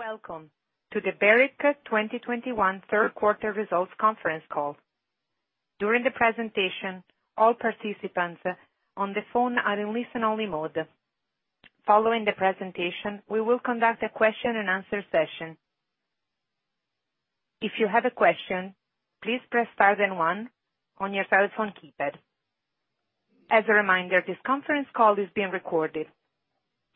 Welcome to the Barrick 2021 third quarter results conference call. During the presentation, all participants on the phone are in listen-only mode. Following the presentation, we will conduct a question and answer session. If you have a question, please press star then 1 on your telephone keypad. As a reminder, this conference call is being recorded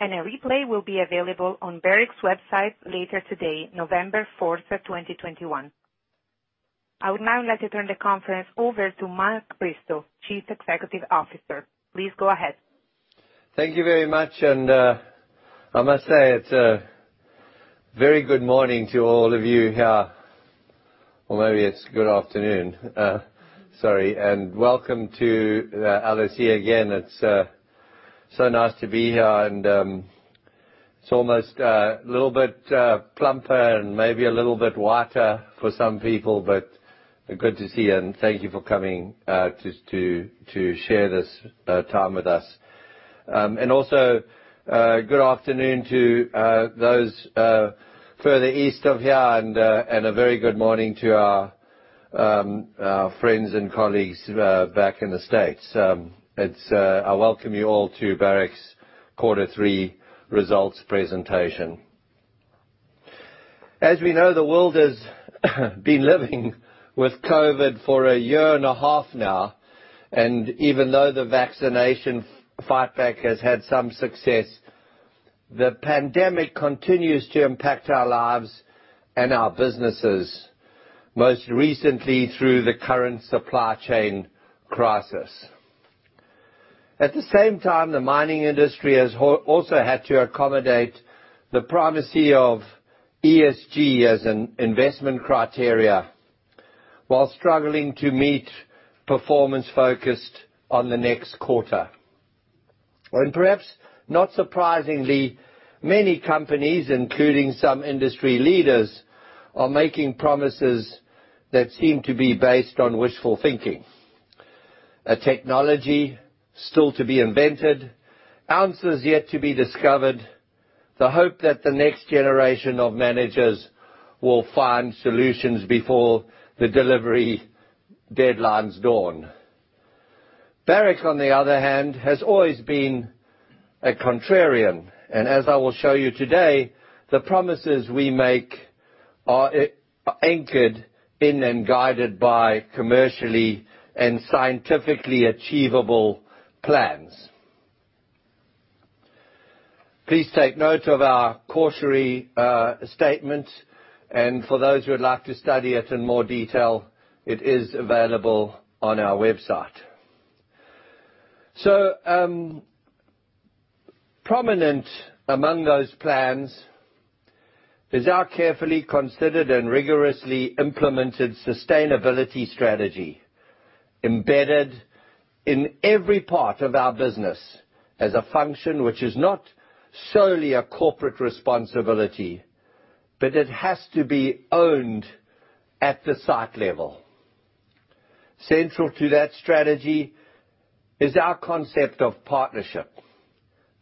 and a replay will be available on Barrick's website later today, November 4, 2021. I would now like to turn the conference over to Mark Bristow, Chief Executive Officer. Please go ahead. Thank you very much. I must say, it's a very good morning to all of you here. Or maybe it's good afternoon. Sorry, welcome to the LSE again. It's so nice to be here. It's almost a little bit plumper and maybe a little bit wider for some people, but good to see you, and thank you for coming to share this time with us. Good afternoon to those further east of here and a very good morning to our friends and colleagues back in the States. I welcome you all to Barrick's quarter three results presentation. As we know, the world has been living with COVID for a year and a half now, and even though the vaccination fightback has had some success, the pandemic continues to impact our lives and our businesses, most recently through the current supply chain crisis. At the same time, the mining industry has also had to accommodate the primacy of ESG as an investment criteria while struggling to meet performance focused on the next quarter. Perhaps not surprisingly, many companies, including some industry leaders, are making promises that seem to be based on wishful thinking. A technology still to be invented, ounces yet to be discovered, the hope that the next generation of managers will find solutions before the delivery deadlines dawn. Barrick, on the other hand, has always been a contrarian, and as I will show you today, the promises we make are anchored in and guided by commercially and scientifically achievable plans. Please take note of our cautionary statement, and for those who would like to study it in more detail, it is available on our website. Prominent among those plans is our carefully considered and rigorously implemented sustainability strategy, embedded in every part of our business as a function which is not solely a corporate responsibility, but it has to be owned at the site level. Central to that strategy is our concept of partnership.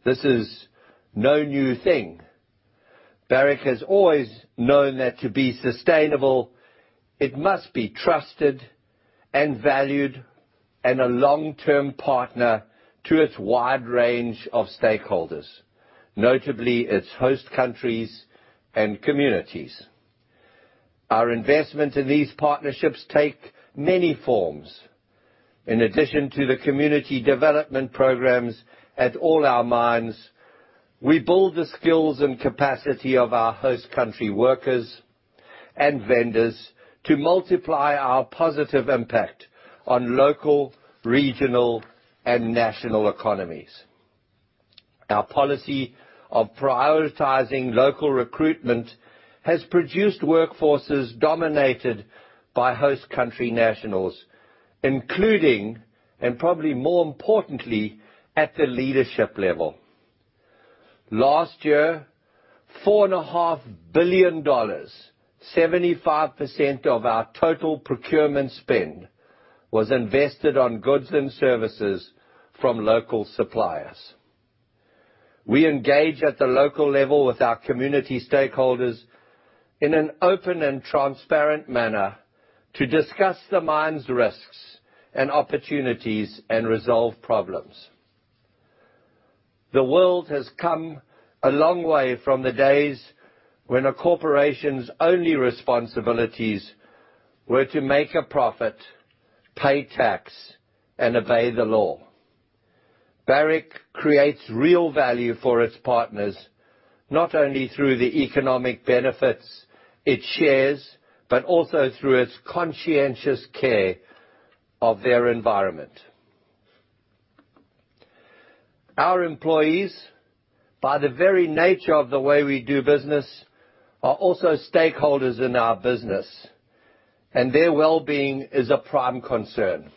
This is no new thing. Barrick has always known that to be sustainable, it must be trusted and valued and a long-term partner to its wide range of stakeholders, notably its host countries and communities. Our investment in these partnerships take many forms. In addition to the community development programs at all our mines, we build the skills and capacity of our host country workers and vendors to multiply our positive impact on local, regional, and national economies. Our policy of prioritizing local recruitment has produced workforces dominated by host country nationals, including, and probably more importantly, at the leadership level. Last year, $4.5 billion, 75% of our total procurement spend, was invested on goods and services from local suppliers. We engage at the local level with our community stakeholders in an open and transparent manner to discuss the mine's risks and opportunities and resolve problems. The world has come a long way from the days when a corporation's only responsibilities were to make a profit, pay tax, and obey the law. Barrick creates real value for its partners, not only through the economic benefits it shares, but also through its conscientious care of their environment. Our employees, by the very nature of the way we do business, are also stakeholders in our business, and their well-being is a prime concern.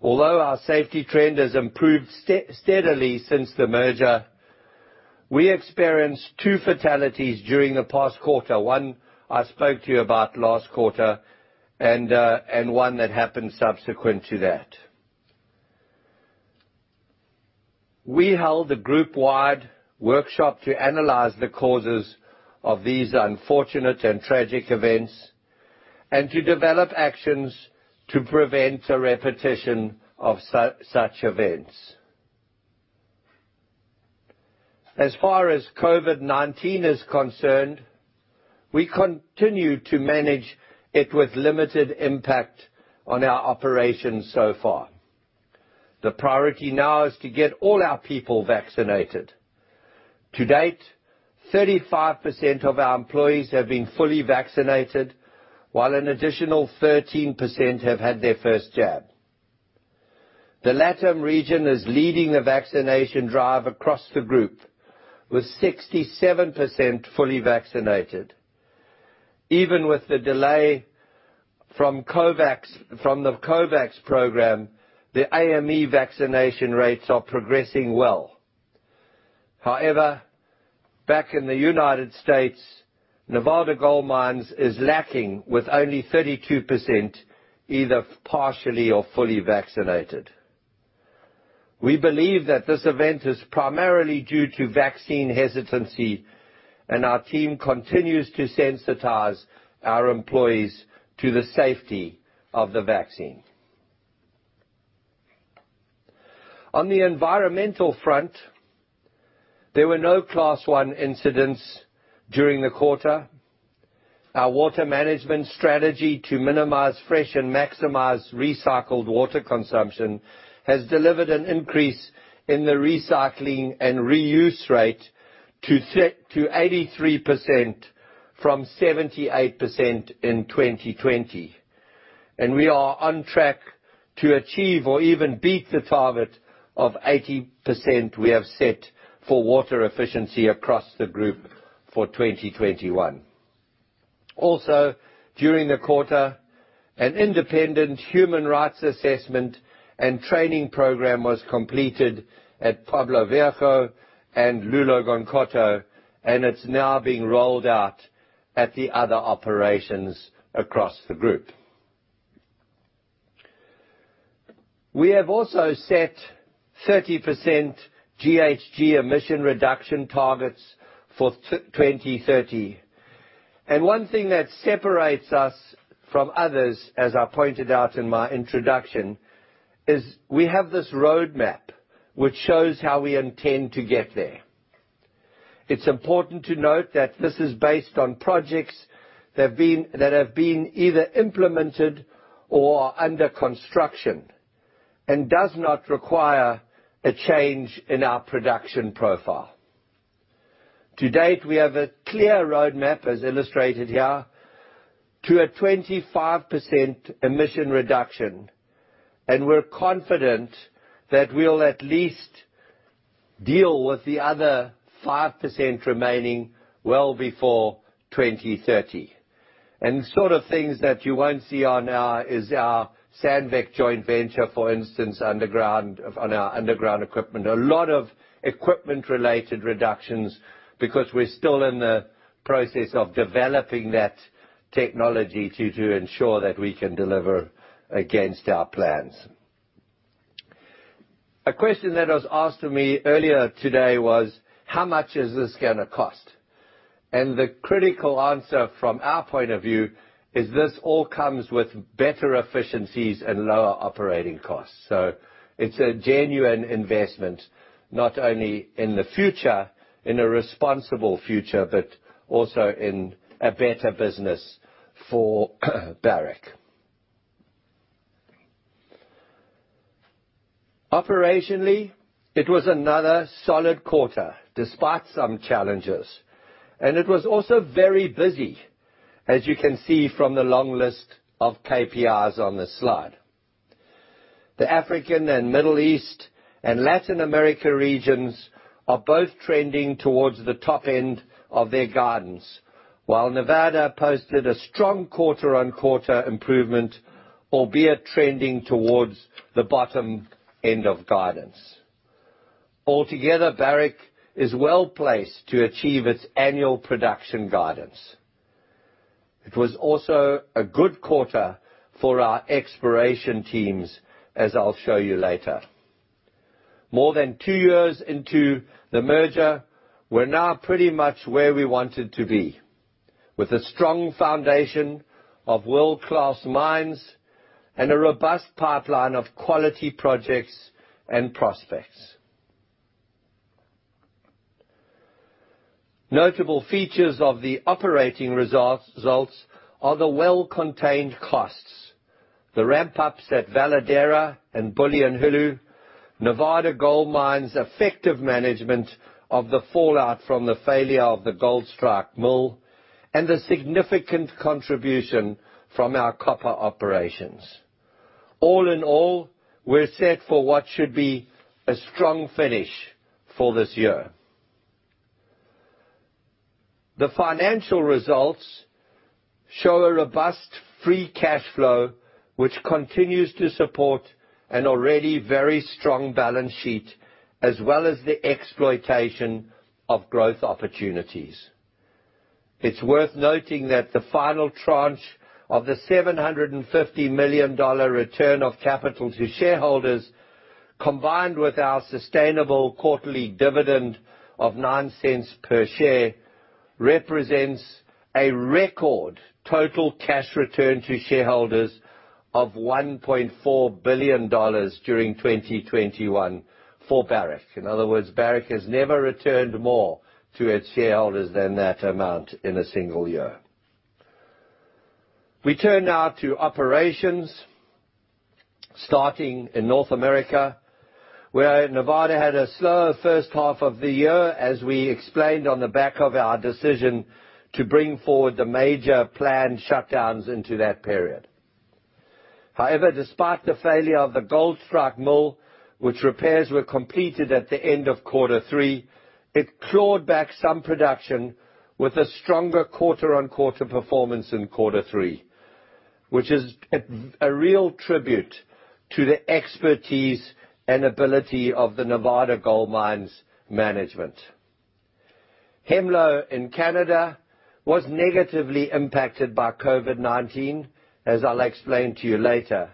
Although our safety trend has improved steadily since the merger, we experienced two fatalities during the past quarter. One I spoke to you about last quarter and one that happened subsequent to that. We held a group-wide workshop to analyze the causes of these unfortunate and tragic events, and to develop actions to prevent a repetition of such events. As far as COVID-19 is concerned, we continue to manage it with limited impact on our operations so far. The priority now is to get all our people vaccinated. To date, 35% of our employees have been fully vaccinated, while an additional 13% have had their first jab. The LATAM region is leading the vaccination drive across the group with 67% fully vaccinated. Even with the delay from COVAX, from the COVAX program, the AME vaccination rates are progressing well. However, back in the United States, Nevada Gold Mines is lacking with only 32% either partially or fully vaccinated. We believe that this event is primarily due to vaccine hesitancy, and our team continues to sensitize our employees to the safety of the vaccine. On the environmental front, there were no class one incidents during the quarter. Our water management strategy to minimize fresh and maximize recycled water consumption has delivered an increase in the recycling and reuse rate to 83% from 78% percent in 2020. We are on track to achieve or even beat the target of 80% we have set for water efficiency across the group for 2021. Also, during the quarter, an independent human rights assessment and training program was completed at Pueblo Viejo and Loulo-Gounkoto, and it's now being rolled out at the other operations across the group. We have also set 30% GHG emission reduction targets for 2030. One thing that separates us from others, as I pointed out in my introduction, is we have this roadmap which shows how we intend to get there. It's important to note that this is based on projects that have been either implemented or are under construction and does not require a change in our production profile. To date, we have a clear roadmap, as illustrated here, to a 25% emission reduction, and we're confident that we'll at least deal with the other 5% remaining well before 2030. The sort of things that you won't see on ours is our Sandvik joint venture, for instance, on our underground equipment. A lot of equipment-related reductions because we're still in the process of developing that technology to ensure that we can deliver against our plans. A question that was asked to me earlier today was, "How much is this gonna cost?" The critical answer from our point of view is this all comes with better efficiencies and lower operating costs. It's a genuine investment, not only in the future, in a responsible future, but also in a better business for Barrick. Operationally, it was another solid quarter despite some challenges, and it was also very busy, as you can see from the long list of KPIs on this slide. The African and Middle East and Latin America regions are both trending towards the top end of their guidance, while Nevada posted a strong quarter-on-quarter improvement, albeit trending towards the bottom end of guidance. Altogether, Barrick is well-placed to achieve its annual production guidance. It was also a good quarter for our exploration teams, as I'll show you later. More than two years into the merger, we're now pretty much where we wanted to be, with a strong foundation of world-class mines and a robust pipeline of quality projects and prospects. Notable features of the operating results are the well-contained costs, the ramp-ups at Veladero and Bulyanhulu, Nevada Gold Mines' effective management of the fallout from the failure of the Goldstrike mill, and the significant contribution from our copper operations. All in all, we're set for what should be a strong finish for this year. The financial results show a robust free cash flow, which continues to support an already very strong balance sheet, as well as the exploitation of growth opportunities. It's worth noting that the final tranche of the $750 million return of capital to shareholders, combined with our sustainable quarterly dividend of $0.09 per share, represents a record total cash return to shareholders of $1.4 billion during 2021 for Barrick. In other words, Barrick has never returned more to its shareholders than that amount in a single year. We turn now to operations, starting in North America, where Nevada had a slower first half of the year, as we explained on the back of our decision to bring forward the major planned shutdowns into that period. However, despite the failure of the Goldstrike mill, which repairs were completed at the end of quarter three, it clawed back some production with a stronger quarter-on-quarter performance in quarter three, which is a real tribute to the expertise and ability of the Nevada Gold Mines management. Hemlo in Canada was negatively impacted by COVID-19, as I'll explain to you later.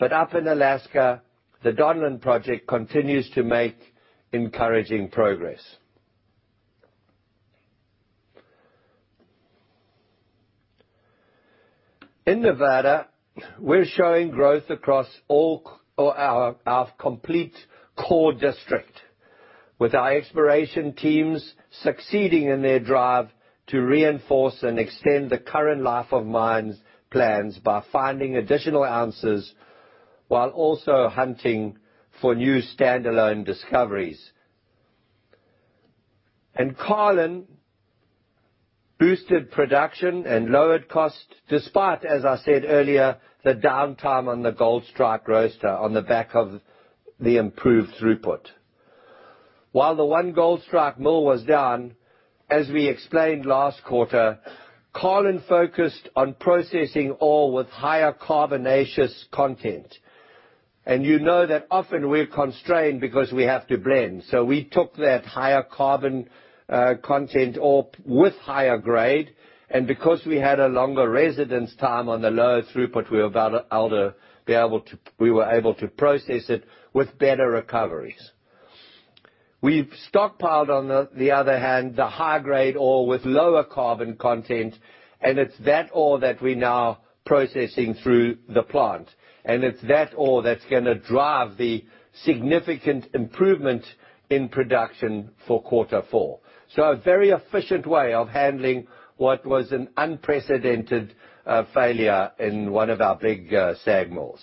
Up in Alaska, the Donlin Project continues to make encouraging progress. In Nevada, we're showing growth across all our complete core district, with our exploration teams succeeding in their drive to reinforce and extend the current life of mines plans by finding additional ounces while also hunting for new standalone discoveries. Carlin boosted production and lowered costs, despite, as I said earlier, the downtime on the Goldstrike roaster on the back of the improved throughput. While the one Goldstrike mill was down, as we explained last quarter, Carlin focused on processing ore with higher carbonaceous content. You know that often we're constrained because we have to blend. We took that higher carbon content ore with higher grade, and because we had a longer residence time on the lower throughput, we were able to process it with better recoveries. We've stockpiled, on the other hand, the high-grade ore with lower carbon content, and it's that ore that we're now processing through the plant. It's that ore that's gonna drive the significant improvement in production for quarter four. A very efficient way of handling what was an unprecedented failure in one of our big SAG mills.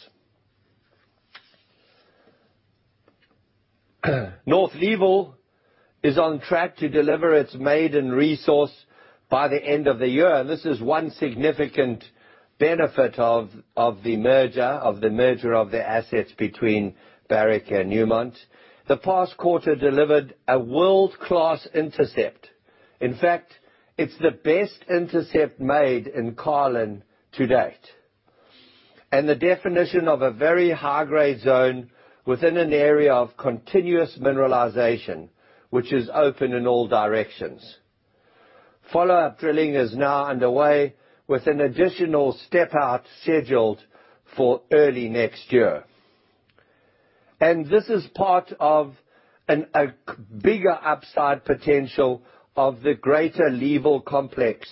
North Level is on track to deliver its maiden resource by the end of the year. This is one significant benefit of the merger of the assets between Barrick and Newmont. The past quarter delivered a world-class intercept. In fact, it's the best intercept made in Carlin to date. The definition of a very high-grade zone within an area of continuous mineralization, which is open in all directions. Follow-up drilling is now underway, with an additional step out scheduled for early next year. This is part of a bigger upside potential of the greater Leeville complex,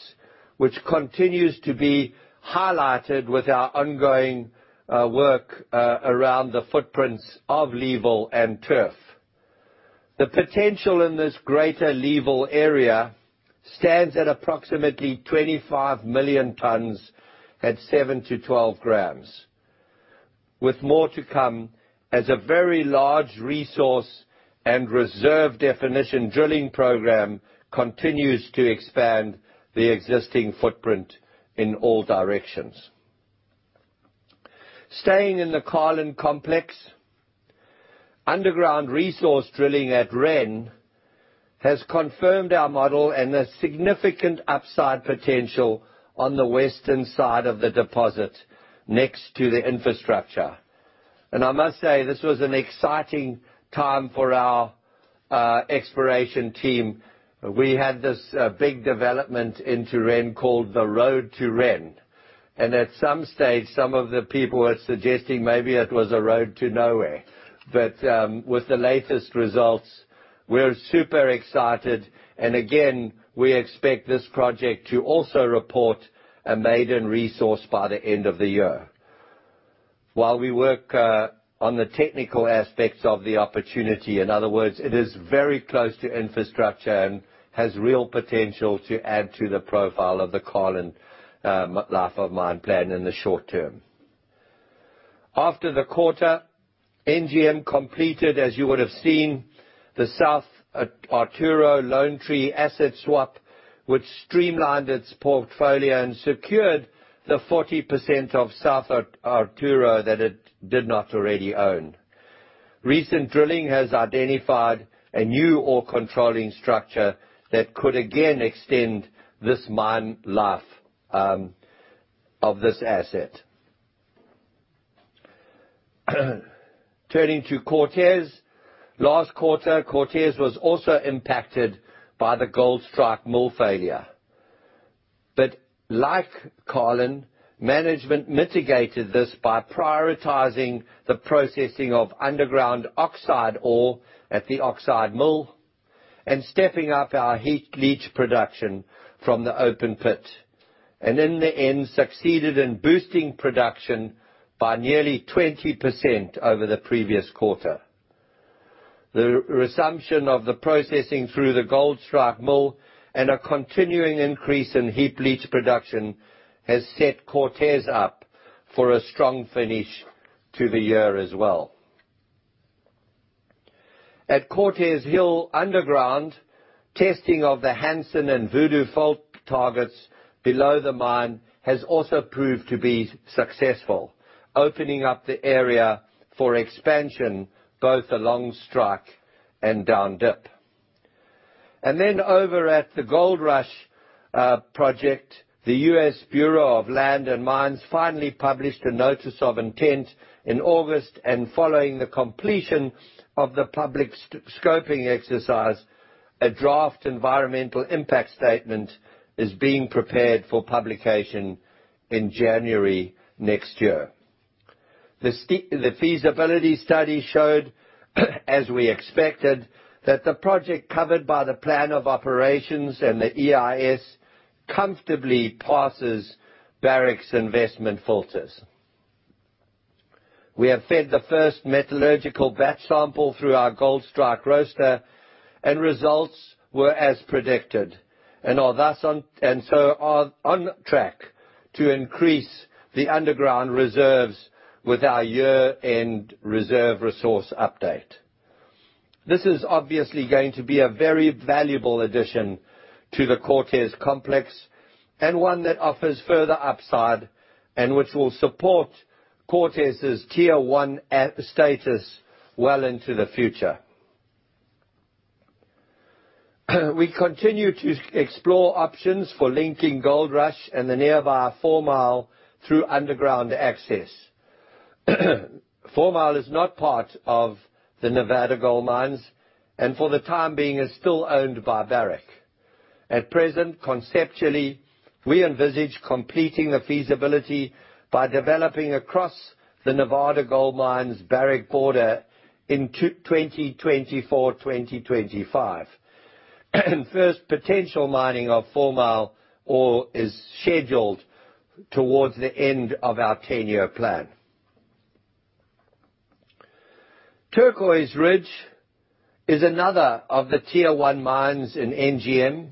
which continues to be highlighted with our ongoing work around the footprints of Leeville and Turf. The potential in this greater Leeville area stands at approximately 25 million tons at 7 g-12 g, with more to come as a very large resource and reserve definition drilling program continues to expand the existing footprint in all directions. Staying in the Carlin complex, underground resource drilling at Ren has confirmed our model and a significant upside potential on the western side of the deposit next to the infrastructure. I must say, this was an exciting time for our exploration team. We had this big development into Ren called the Road to Ren, and at some stage, some of the people were suggesting maybe it was a road to nowhere. With the latest results, we're super excited. Again, we expect this project to also report a maiden resource by the end of the year. While we work on the technical aspects of the opportunity, in other words, it is very close to infrastructure and has real potential to add to the profile of the Carlin life of mine plan in the short term. After the quarter, NGM completed, as you would have seen, the South Arturo-Lone Tree asset swap, which streamlined its portfolio and secured the 40% of South Arturo that it did not already own. Recent drilling has identified a new ore-controlling structure that could again extend this mine life of this asset. Turning to Cortez. Last quarter, Cortez was also impacted by the Goldstrike mill failure. Like Carlin, management mitigated this by prioritizing the processing of underground oxide ore at the oxide mill and stepping up our heap leach production from the open pit, and in the end, succeeded in boosting production by nearly 20% over the previous quarter. The resumption of the processing through the Goldstrike mill and a continuing increase in heap leach production has set Cortez up for a strong finish to the year as well. At Cortez Hill Underground, testing of the Hanson and Voodoo fault targets below the mine has also proved to be successful, opening up the area for expansion, both along strike and down dip. Then over at the Goldrush project, the U.S. Bureau of Land Management finally published a notice of intent in August, and following the completion of the public scoping exercise, a draft environmental impact statement is being prepared for publication in January next year. The feasibility study showed, as we expected, that the project covered by the plan of operations and the EIS comfortably passes Barrick's investment filters. We have fed the first metallurgical batch sample through our Goldstrike roaster and results were as predicted and are thus on track to increase the underground reserves with our year-end reserve resource update. This is obviously going to be a very valuable addition to the Cortez complex, and one that offers further upside and which will support Cortez's tier one status well into the future. We continue to explore options for linking Goldrush and the nearby Fourmile through underground access. Fourmile is not part of the Nevada Gold Mines, and for the time being, is still owned by Barrick. At present, conceptually, we envisage completing the feasibility by developing across the Nevada Gold Mines Barrick border in 2024, 2025. First potential mining of Fourmile ore is scheduled towards the end of our ten-year plan. Turquoise Ridge is another of the tier one mines in NGM,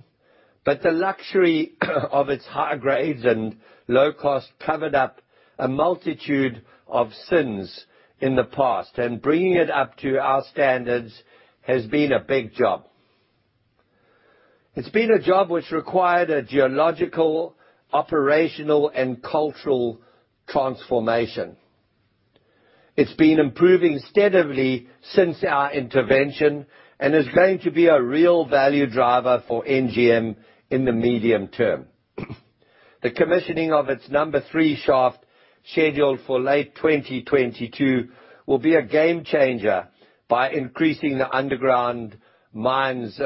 but the luxury of its high grades and low cost covered up a multitude of sins in the past, and bringing it up to our standards has been a big job. It's been a job which required a geological, operational, and cultural transformation. It's been improving steadily since our intervention and is going to be a real value driver for NGM in the medium term. The commissioning of its number three shaft, scheduled for late 2022, will be a game changer by increasing the underground mine's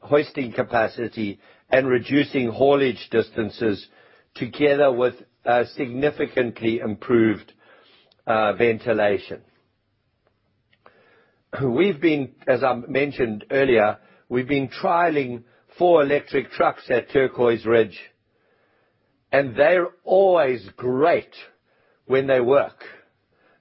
hoisting capacity and reducing haulage distances together with significantly improved ventilation. We've been, as I mentioned earlier, trialing four electric trucks at Turquoise Ridge, and they're always great when they work,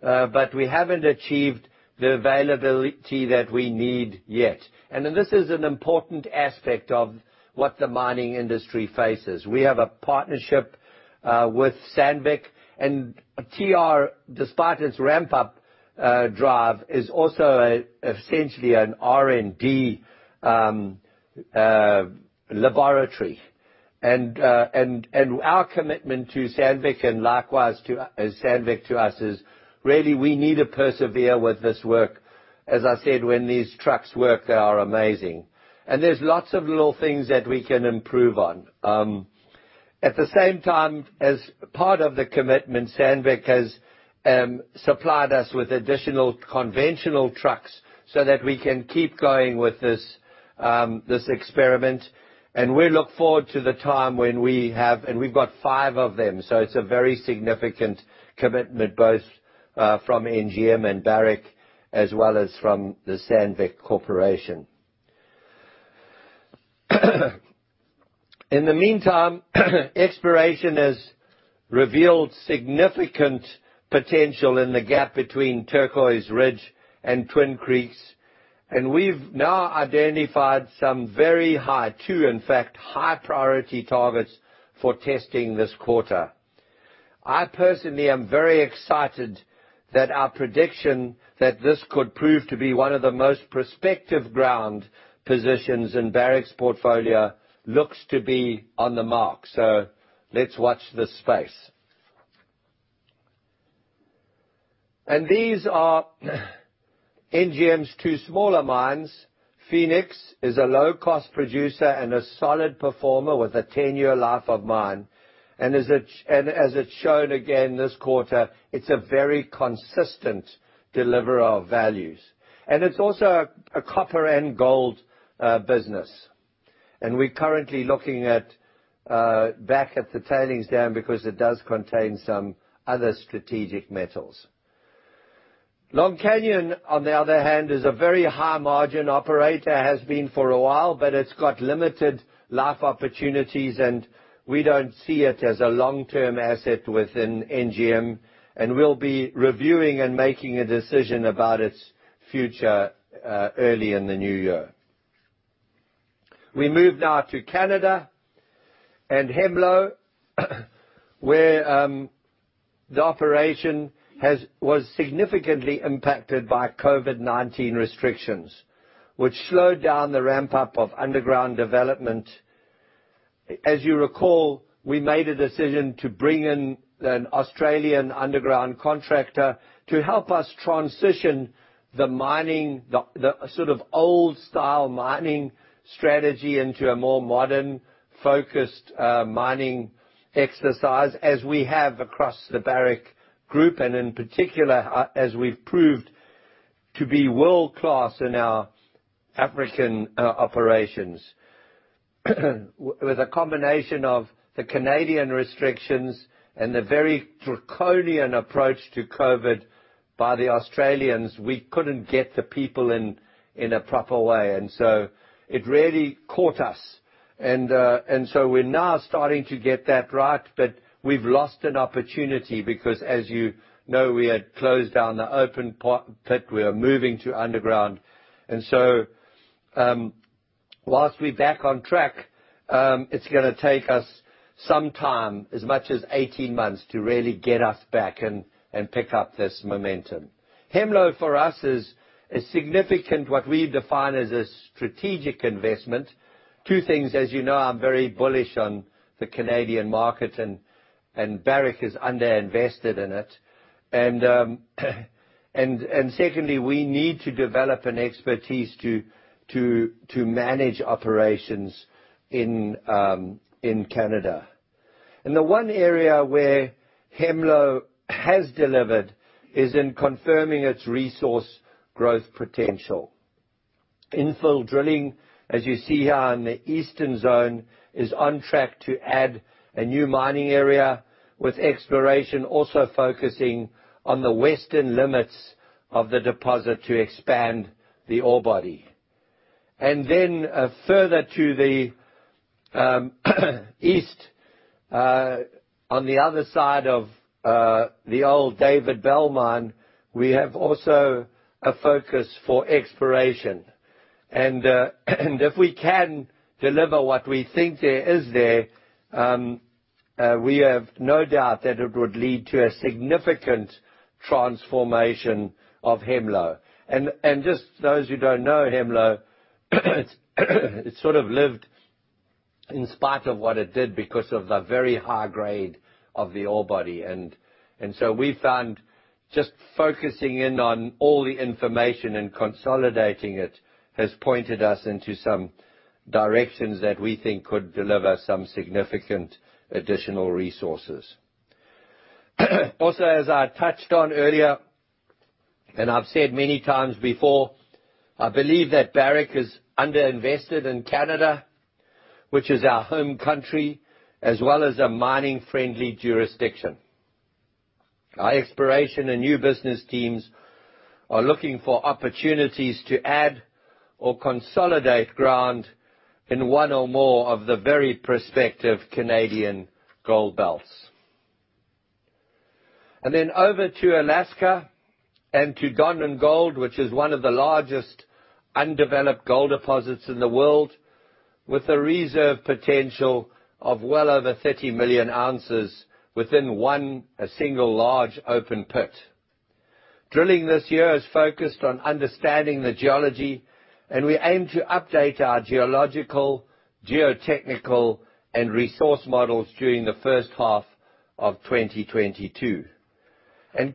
but we haven't achieved the availability that we need yet. This is an important aspect of what the mining industry faces. We have a partnership with Sandvik, and TR, despite its ramp-up drive, is also essentially an R&D laboratory. Our commitment to Sandvik and likewise to Sandvik to us is really we need to persevere with this work. As I said, when these trucks work, they are amazing. There's lots of little things that we can improve on. At the same time, as part of the commitment, Sandvik has supplied us with additional conventional trucks so that we can keep going with this experiment, and we look forward to the time when we have. We've got five of them, so it's a very significant commitment, both from NGM and Barrick, as well as from the Sandvik Corporation. In the meantime, exploration has revealed significant potential in the gap between Turquoise Ridge and Twin Creeks, and we've now identified some very high, two in fact, high-priority targets for testing this quarter. I personally am very excited that our prediction that this could prove to be one of the most prospective ground positions in Barrick's portfolio looks to be on the mark. Let's watch this space. These are NGM's two smaller mines. Phoenix is a low-cost producer and a solid performer with a 10-year life of mine. As it's shown again this quarter, it's a very consistent deliverer of values. It's also a copper and gold business. We're currently looking back at the tailings dam because it does contain some other strategic metals. Long Canyon, on the other hand, is a very high-margin operator. It has been for a while, but it's got limited life opportunities, and we don't see it as a long-term asset within NGM. We'll be reviewing and making a decision about its future early in the new year. We move now to Canada and Hemlo, where the operation was significantly impacted by COVID-19 restrictions, which slowed down the ramp-up of underground development. As you recall, we made a decision to bring in an Australian underground contractor to help us transition the mining, sort of old-style mining strategy into a more modern, focused mining exercise, as we have across the Barrick Group, and in particular, as we've proved to be world-class in our African operations. With a combination of the Canadian restrictions and the very draconian approach to COVID by the Australians, we couldn't get the people in a proper way, and so it really caught us. We're now starting to get that right, but we've lost an opportunity because as you know, we had closed down the open pit. We are moving to underground. While we're back on track, it's gonna take us some time, as much as 18 months, to really get us back and pick up this momentum. Hemlo, for us, is significant, what we define as a strategic investment. Two things. As you know, I'm very bullish on the Canadian market, and Barrick is underinvested in it. Secondly, we need to develop an expertise to manage operations in Canada. The one area where Hemlo has delivered is in confirming its resource growth potential. Infill drilling, as you see here on the eastern zone, is on track to add a new mining area, with exploration also focusing on the western limits of the deposit to expand the ore body. Further to the east, on the other side of the old David Bell Mine, we have also a focus for exploration. If we can deliver what we think there is there, we have no doubt that it would lead to a significant transformation of Hemlo. Just those who don't know Hemlo, it's sort of lived in spite of what it did because of the very high grade of the ore body. We found just focusing in on all the information and consolidating it has pointed us into some directions that we think could deliver some significant additional resources. Also, as I touched on earlier, and I've said many times before, I believe that Barrick is underinvested in Canada, which is our home country, as well as a mining-friendly jurisdiction. Our exploration and new business teams are looking for opportunities to add or consolidate ground in one or more of the very prospective Canadian gold belts. Then over to Alaska and to Donlin Gold, which is one of the largest undeveloped gold deposits in the world, with a reserve potential of well over 30 million ounces within one single large open pit. Drilling this year is focused on understanding the geology, and we aim to update our geological, geotechnical, and resource models during the first half of 2022.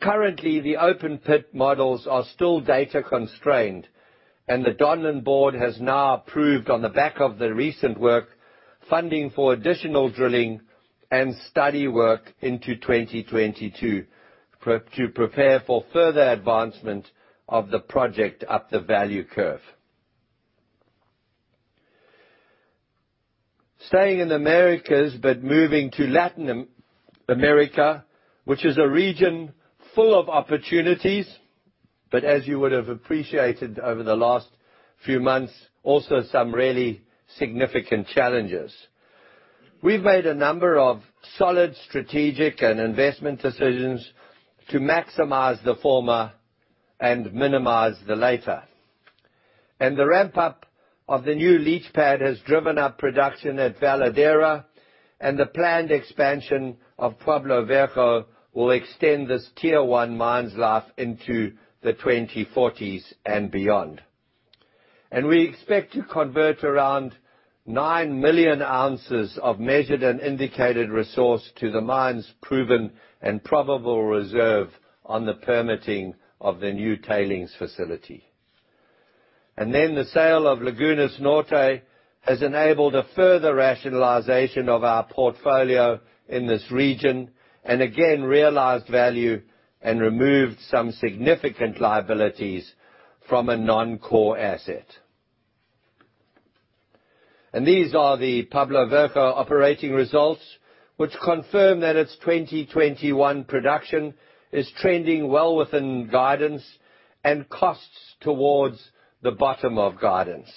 Currently, the open pit models are still data constrained, and the Donlin board has now approved on the back of the recent work, funding for additional drilling and study work into 2022, to prepare for further advancement of the project up the value curve. Staying in Americas, but moving to Latin America, which is a region full of opportunities, but as you would have appreciated over the last few months, also some really significant challenges. We've made a number of solid strategic and investment decisions to maximize the former and minimize the latter. The ramp-up of the new leach pad has driven up production at Veladero, and the planned expansion of Pueblo Viejo will extend this tier one mine's life into the 2040s and beyond. We expect to convert around 9 million ounces of measured and indicated resource to the mine's proven and probable reserve on the permitting of the new tailings facility. Then the sale of Lagunas Norte has enabled a further rationalization of our portfolio in this region, and again, realized value and removed some significant liabilities from a non-core asset. These are the Pueblo Viejo operating results, which confirm that its 2021 production is trending well within guidance and costs towards the bottom of guidance.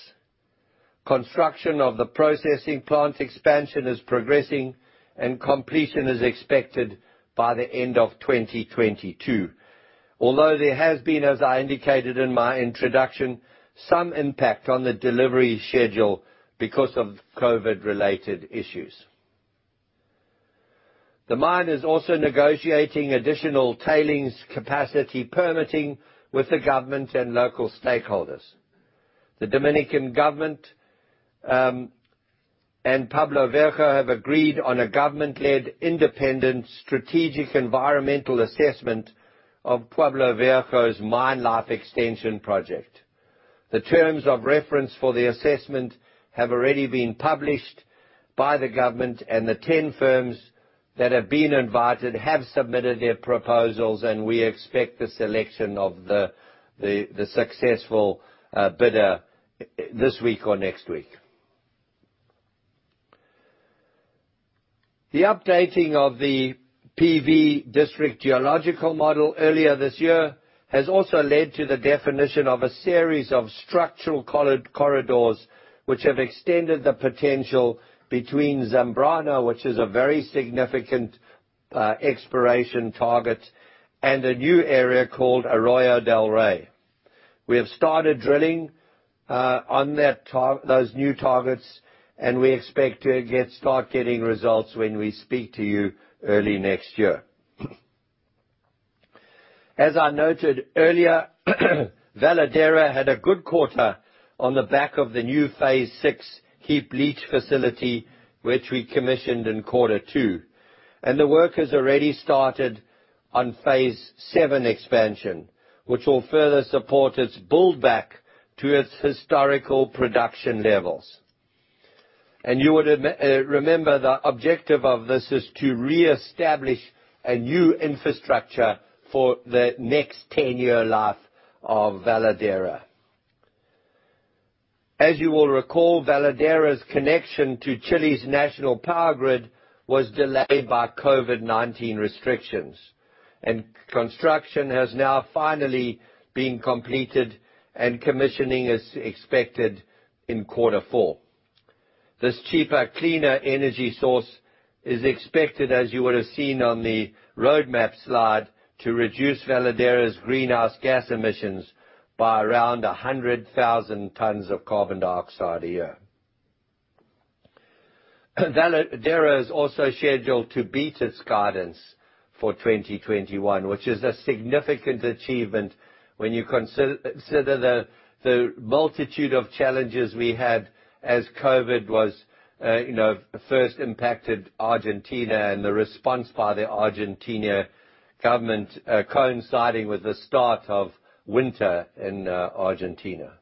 Construction of the processing plant expansion is progressing, and completion is expected by the end of 2022. Although there has been, as I indicated in my introduction, some impact on the delivery schedule because of COVID-related issues. The mine is also negotiating additional tailings capacity permitting with the government and local stakeholders. The Dominican government and Pueblo Viejo have agreed on a government-led independent strategic environmental assessment of Pueblo Viejo's mine life extension project. The terms of reference for the assessment have already been published by the government, and the 10 firms that have been invited have submitted their proposals, and we expect the selection of the successful bidder this week or next week. The updating of the PV district geological model earlier this year has also led to the definition of a series of structural corridors which have extended the potential between Zambrano, which is a very significant exploration target, and a new area called Arroyo del Rey. We have started drilling on those new targets, and we expect to start getting results when we speak to you early next year. As I noted earlier, Veladero had a good quarter on the back of the new Phase 6 heap leach facility, which we commissioned in quarter two. The work has already started on Phase 7 expansion, which will further support its build back to its historical production levels. You would remember the objective of this is to reestablish a new infrastructure for the next 10-year life of Veladero. As you will recall, Veladero's connection to Chile's national power grid was delayed by COVID-19 restrictions, and construction has now finally been completed, and commissioning is expected in quarter four. This cheaper, cleaner energy source is expected, as you would have seen on the roadmap slide, to reduce Veladero's greenhouse gas emissions by around 100,000 tons of carbon dioxide a year. Veladero is also scheduled to beat its guidance for 2021, which is a significant achievement when you consider the multitude of challenges we had as COVID was first impacted Argentina and the response by the Argentine government coinciding with the start of winter in Argentina.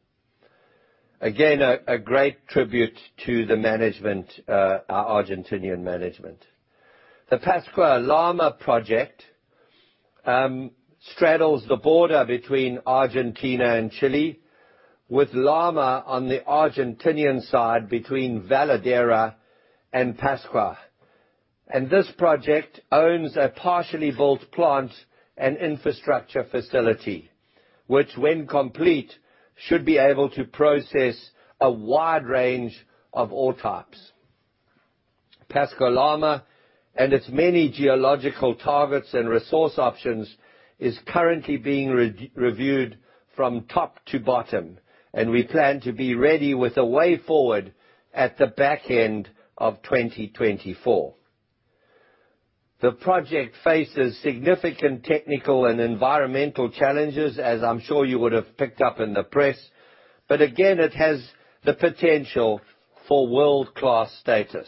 Again, a great tribute to the management, our Argentine management. The Pascua-Lama project straddles the border between Argentina and Chile, with Lama on the Argentine side between Veladero and Pascua. This project owns a partially built plant and infrastructure facility, which, when complete, should be able to process a wide range of ore types. Pascua-Lama and its many geological targets and resource options is currently being reviewed from top to bottom, and we plan to be ready with a way forward at the back end of 2024. The project faces significant technical and environmental challenges, as I'm sure you would have picked up in the press. Again, it has the potential for world-class status,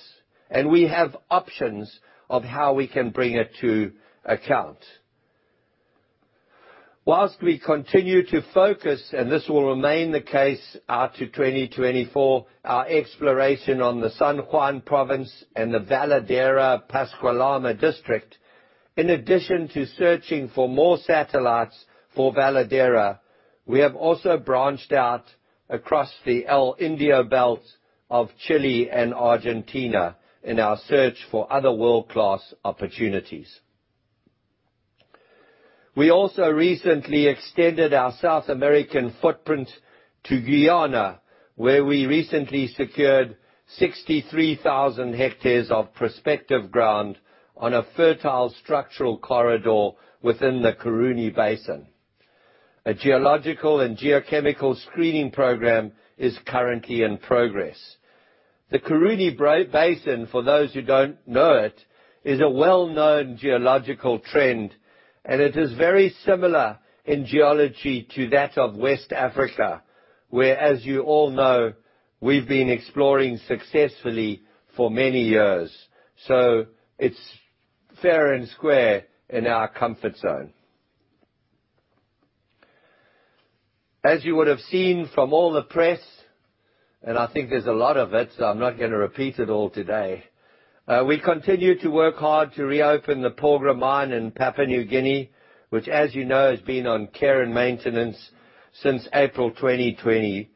and we have options of how we can bring it to account. While we continue to focus, and this will remain the case out to 2024, our exploration on the San Juan province and the Veladero Pascua-Lama district. In addition to searching for more satellites for Veladero, we have also branched out across the El Indio Belt of Chile and Argentina in our search for other world-class opportunities. We also recently extended our South American footprint to Guyana, where we recently secured 63,000 hectares of prospective ground on a fertile structural corridor within the Kurupung Basin. A geological and geochemical screening program is currently in progress. The Kurupung Basin, for those who don't know it, is a well-known geological trend, and it is very similar in geology to that of West Africa, where, as you all know, we've been exploring successfully for many years. It's fair and square in our comfort zone. As you would have seen from all the press, and I think there's a lot of it, so I'm not gonna repeat it all today. We continue to work hard to reopen the Porgera mine in Papua New Guinea, which, as you know, has been on care and maintenance since April 2020,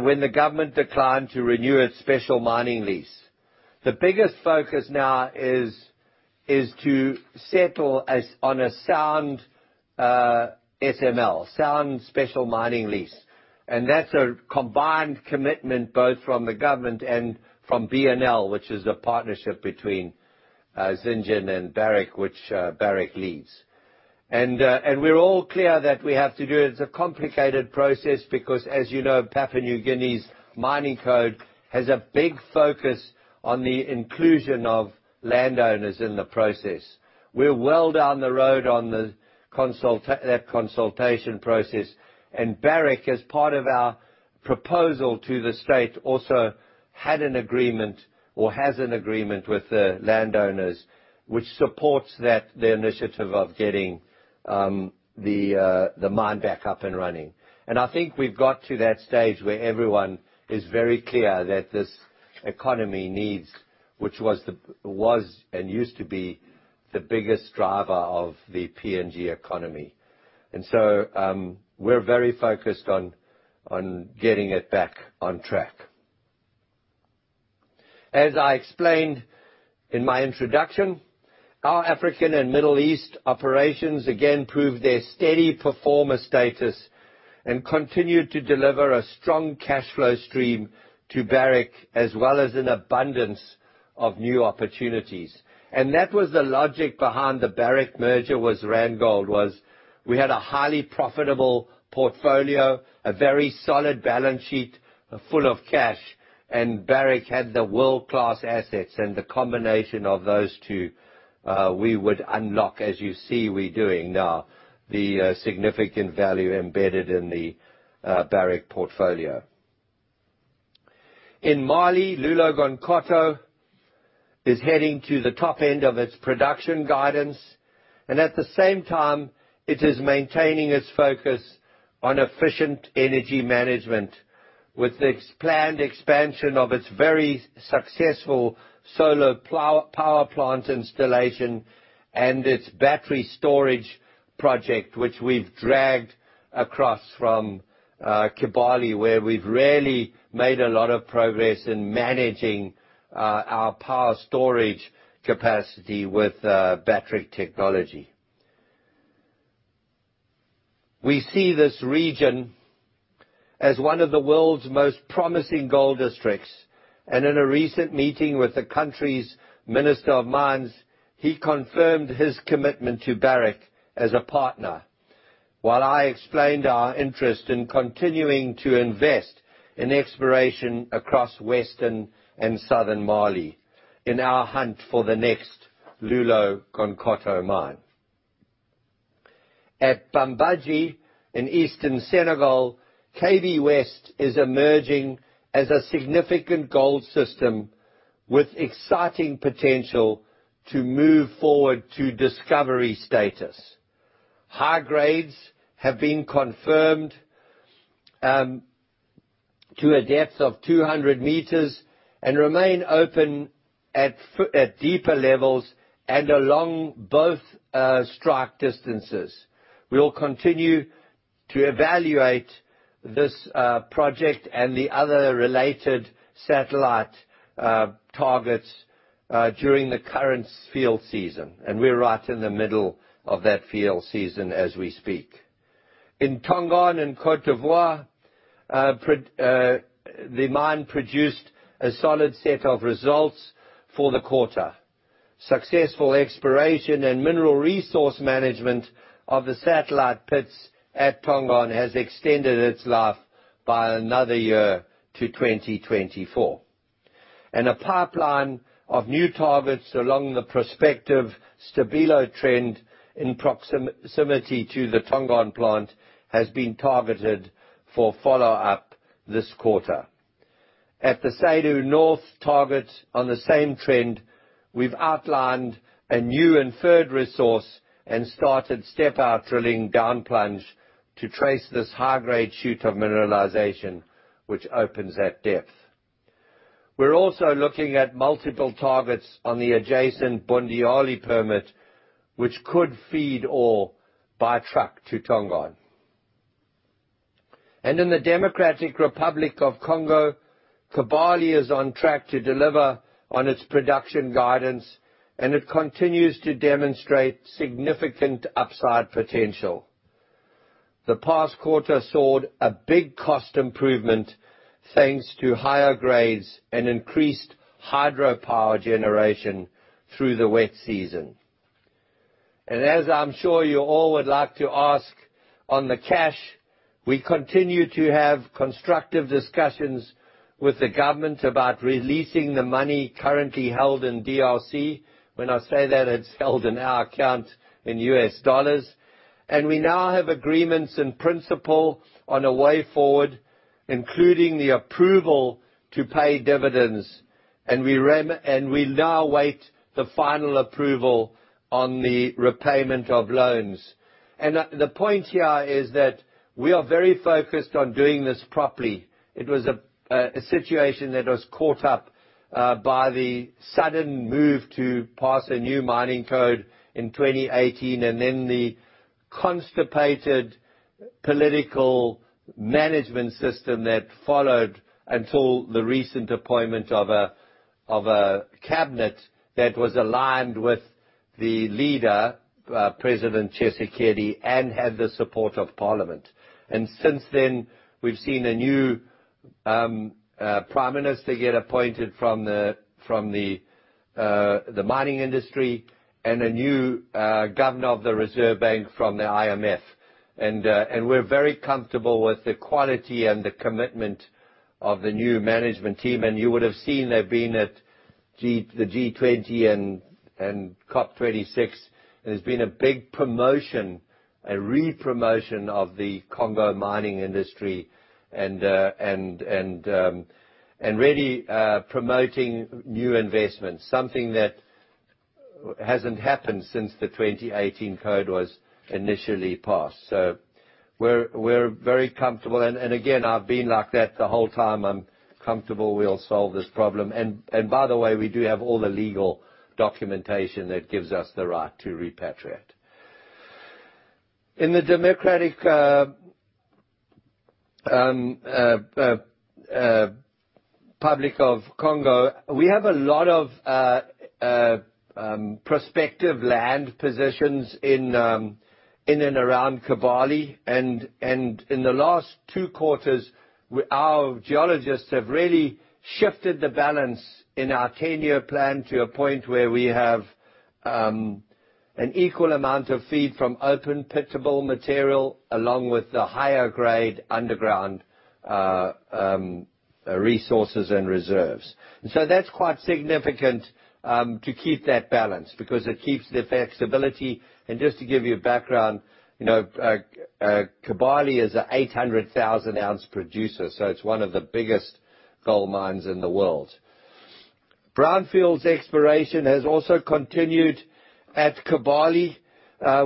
when the government declined to renew its special mining lease. The biggest focus now is to settle on a sound SML, sound special mining lease. That's a combined commitment, both from the government and from BNL, which is a partnership between Zijin and Barrick, which Barrick leads. We're all clear that we have to do it. It's a complicated process because, as you know, Papua New Guinea's mining code has a big focus on the inclusion of landowners in the process. We're well down the road on the consultation process, and Barrick, as part of our proposal to the state, also had an agreement or has an agreement with the landowners, which supports that, the initiative of getting the mine back up and running. I think we've got to that stage where everyone is very clear that this economy needs, which was and used to be the biggest driver of the PNG economy. We're very focused on getting it back on track. As I explained in my introduction, our African and Middle East operations again proved their steady performer status and continued to deliver a strong cash flow stream to Barrick, as well as an abundance of new opportunities. That was the logic behind the Barrick merger with Randgold, was we had a highly profitable portfolio, a very solid balance sheet full of cash, and Barrick had the world-class assets. The combination of those two, we would unlock, as you see we're doing now, the significant value embedded in the Barrick portfolio. In Mali, Loulo-Gounkoto is heading to the top end of its production guidance, and at the same time, it is maintaining its focus on efficient energy management with its planned expansion of its very successful solar power plant installation and its battery storage project, which we've dragged across from Kibali, where we've really made a lot of progress in managing our power storage capacity with battery technology. We see this region as one of the world's most promising gold districts, and in a recent meeting with the country's Minister of Mines, he confirmed his commitment to Barrick as a partner. While I explained our interest in continuing to invest in exploration across western and southern Mali in our hunt for the next Loulo-Gounkoto mine. At Bambadji in eastern Senegal, KB West is emerging as a significant gold system with exciting potential to move forward to discovery status. High grades have been confirmed to a depth of 200 m and remain open at deeper levels and along both strike distances. We'll continue to evaluate this project and the other related satellite targets during the current field season, and we're right in the middle of that field season as we speak. In Tongon, in Côte d'Ivoire, the mine produced a solid set of results for the quarter. Successful exploration and mineral resource management of the satellite pits at Tongon has extended its life by another year to 2024. A pipeline of new targets along the prospective Stabillo trend in proximity to the Tongon plant has been targeted for follow-up this quarter. At the Seydou North target on the same trend, we've outlined a new inferred resource and started step-out drilling down plunge to trace this high-grade shoot of mineralization, which opens at depth. We're also looking at multiple targets on the adjacent Bondialy permit, which could feed ore by truck to Tongon. In the Democratic Republic of Congo, Kibali is on track to deliver on its production guidance, and it continues to demonstrate significant upside potential. The past quarter saw a big cost improvement thanks to higher grades and increased hydropower generation through the wet season. As I'm sure you all would like to ask on the cash, we continue to have constructive discussions with the government about releasing the money currently held in DRC. When I say that, it's held in our account in U.S. dollars. We now have agreements in principle on a way forward, including the approval to pay dividends. We now await the final approval on the repayment of loans. The point here is that we are very focused on doing this properly. It was a situation that was caught up by the sudden move to pass a new mining code in 2018, and then the constipated political management system that followed until the recent appointment of a cabinet that was aligned with the leader, President Tshisekedi, and had the support of parliament. Since then, we've seen a new prime minister get appointed from the mining industry and a new governor of the Reserve Bank from the IMF. We're very comfortable with the quality and the commitment of the new management team. You would have seen they've been at the G20 and COP26. There's been a big promotion, a re-promotion of the Congo mining industry and really promoting new investments, something that hasn't happened since the 2018 code was initially passed. We're very comfortable. Again, I've been like that the whole time. I'm comfortable we'll solve this problem. By the way, we do have all the legal documentation that gives us the right to repatriate. In the Democratic Republic of Congo, we have a lot of prospective land positions in and around Kibali. In the last two quarters, our geologists have really shifted the balance in our 10-year plan to a point where we have an equal amount of feed from open-pittable material along with the higher grade underground resources and reserves. That's quite significant to keep that balance because it keeps the flexibility. Just to give you a background, you know, Kibali is an 800,000-ounce producer, so it's one of the biggest gold mines in the world. Brownfields exploration has also continued at Kibali,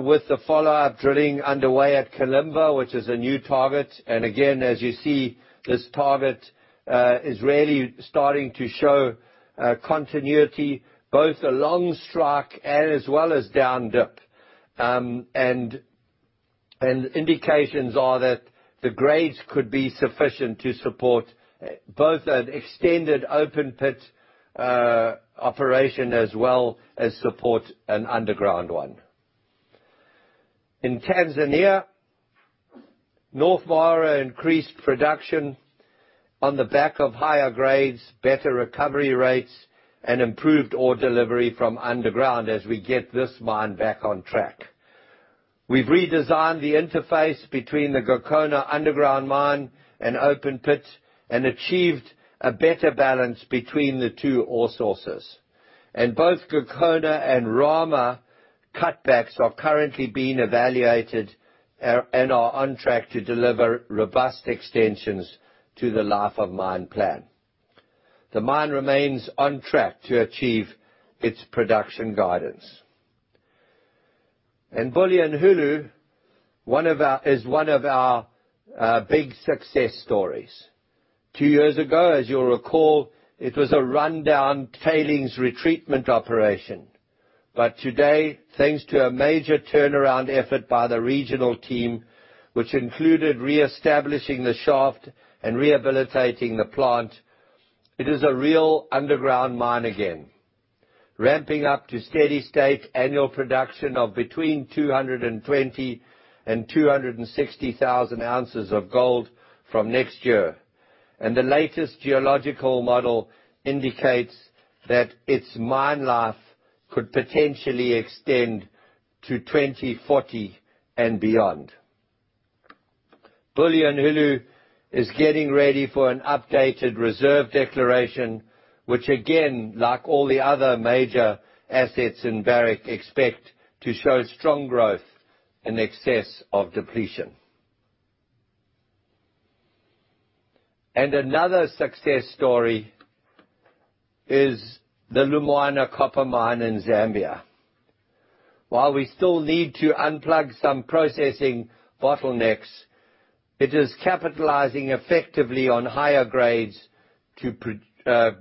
with the follow-up drilling underway at Kalimba, which is a new target. Again, as you see, this target is really starting to show continuity, both along strike and as well as down dip. Indications are that the grades could be sufficient to support both an extended open pit operation as well as support an underground one. In Tanzania, North Mara increased production on the back of higher grades, better recovery rates, and improved ore delivery from underground as we get this mine back on track. We've redesigned the interface between the Gokona underground mine and open pit and achieved a better balance between the two ore sources. Both Gokona and Rama cutbacks are currently being evaluated and are on track to deliver robust extensions to the life of mine plan. The mine remains on track to achieve its production guidance. Bulyanhulu, one of our big success stories. Two years ago, as you'll recall, it was a rundown tailings retreatment operation. Today, thanks to a major turnaround effort by the regional team, which included reestablishing the shaft and rehabilitating the plant, it is a real underground mine again, ramping up to steady-state annual production of between 220,000 ounces and 260,000 ounces of gold from next year. The latest geological model indicates that its mine life could potentially extend to 2040 and beyond. Bulyanhulu is getting ready for an updated reserve declaration, which again, like all the other major assets in Barrick, expect to show strong growth in excess of depletion. Another success story is the Lumwana copper mine in Zambia. While we still need to unplug some processing bottlenecks, it is capitalizing effectively on higher grades to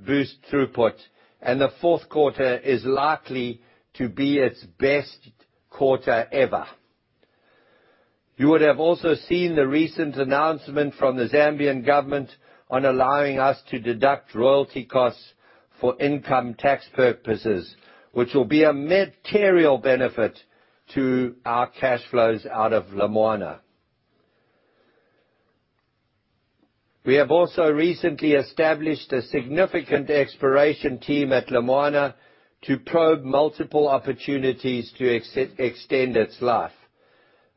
boost throughput, and the fourth quarter is likely to be its best quarter ever. You would have also seen the recent announcement from the Zambian government on allowing us to deduct royalty costs for income tax purposes, which will be a material benefit to our cash flows out of Lumwana. We have also recently established a significant exploration team at Lumwana to probe multiple opportunities to extend its life.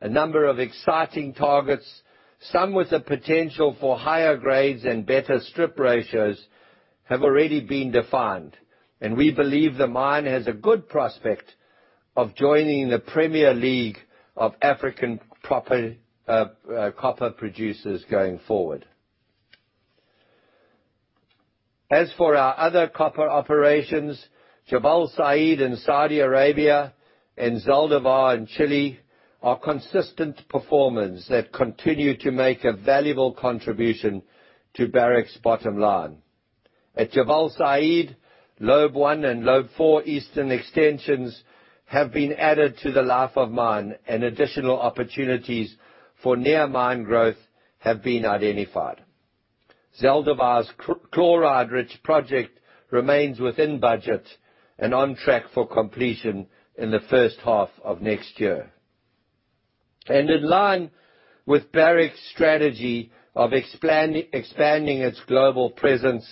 A number of exciting targets, some with the potential for higher grades and better strip ratios, have already been defined, and we believe the mine has a good prospect of joining the premier league of African copper producers going forward. As for our other copper operations, Jabal Sayid in Saudi Arabia and Zaldívar in Chile are consistent performers that continue to make a valuable contribution to Barrick's bottom line. At Jabal Sayid, Lobe 1 and Lobe 4 eastern extensions have been added to the life of mine, and additional opportunities for near-mine growth have been identified. Zaldívar's Chloride Leach project remains within budget and on track for completion in the first half of next year. In line with Barrick's strategy of expanding its global presence,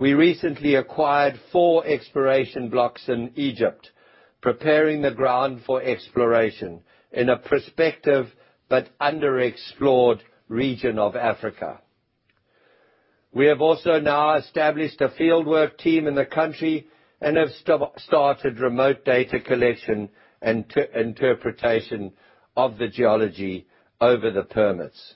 we recently acquired four exploration blocks in Egypt, preparing the ground for exploration in a prospective but underexplored region of Africa. We have also now established a fieldwork team in the country and have started remote data collection and interpretation of the geology over the permits.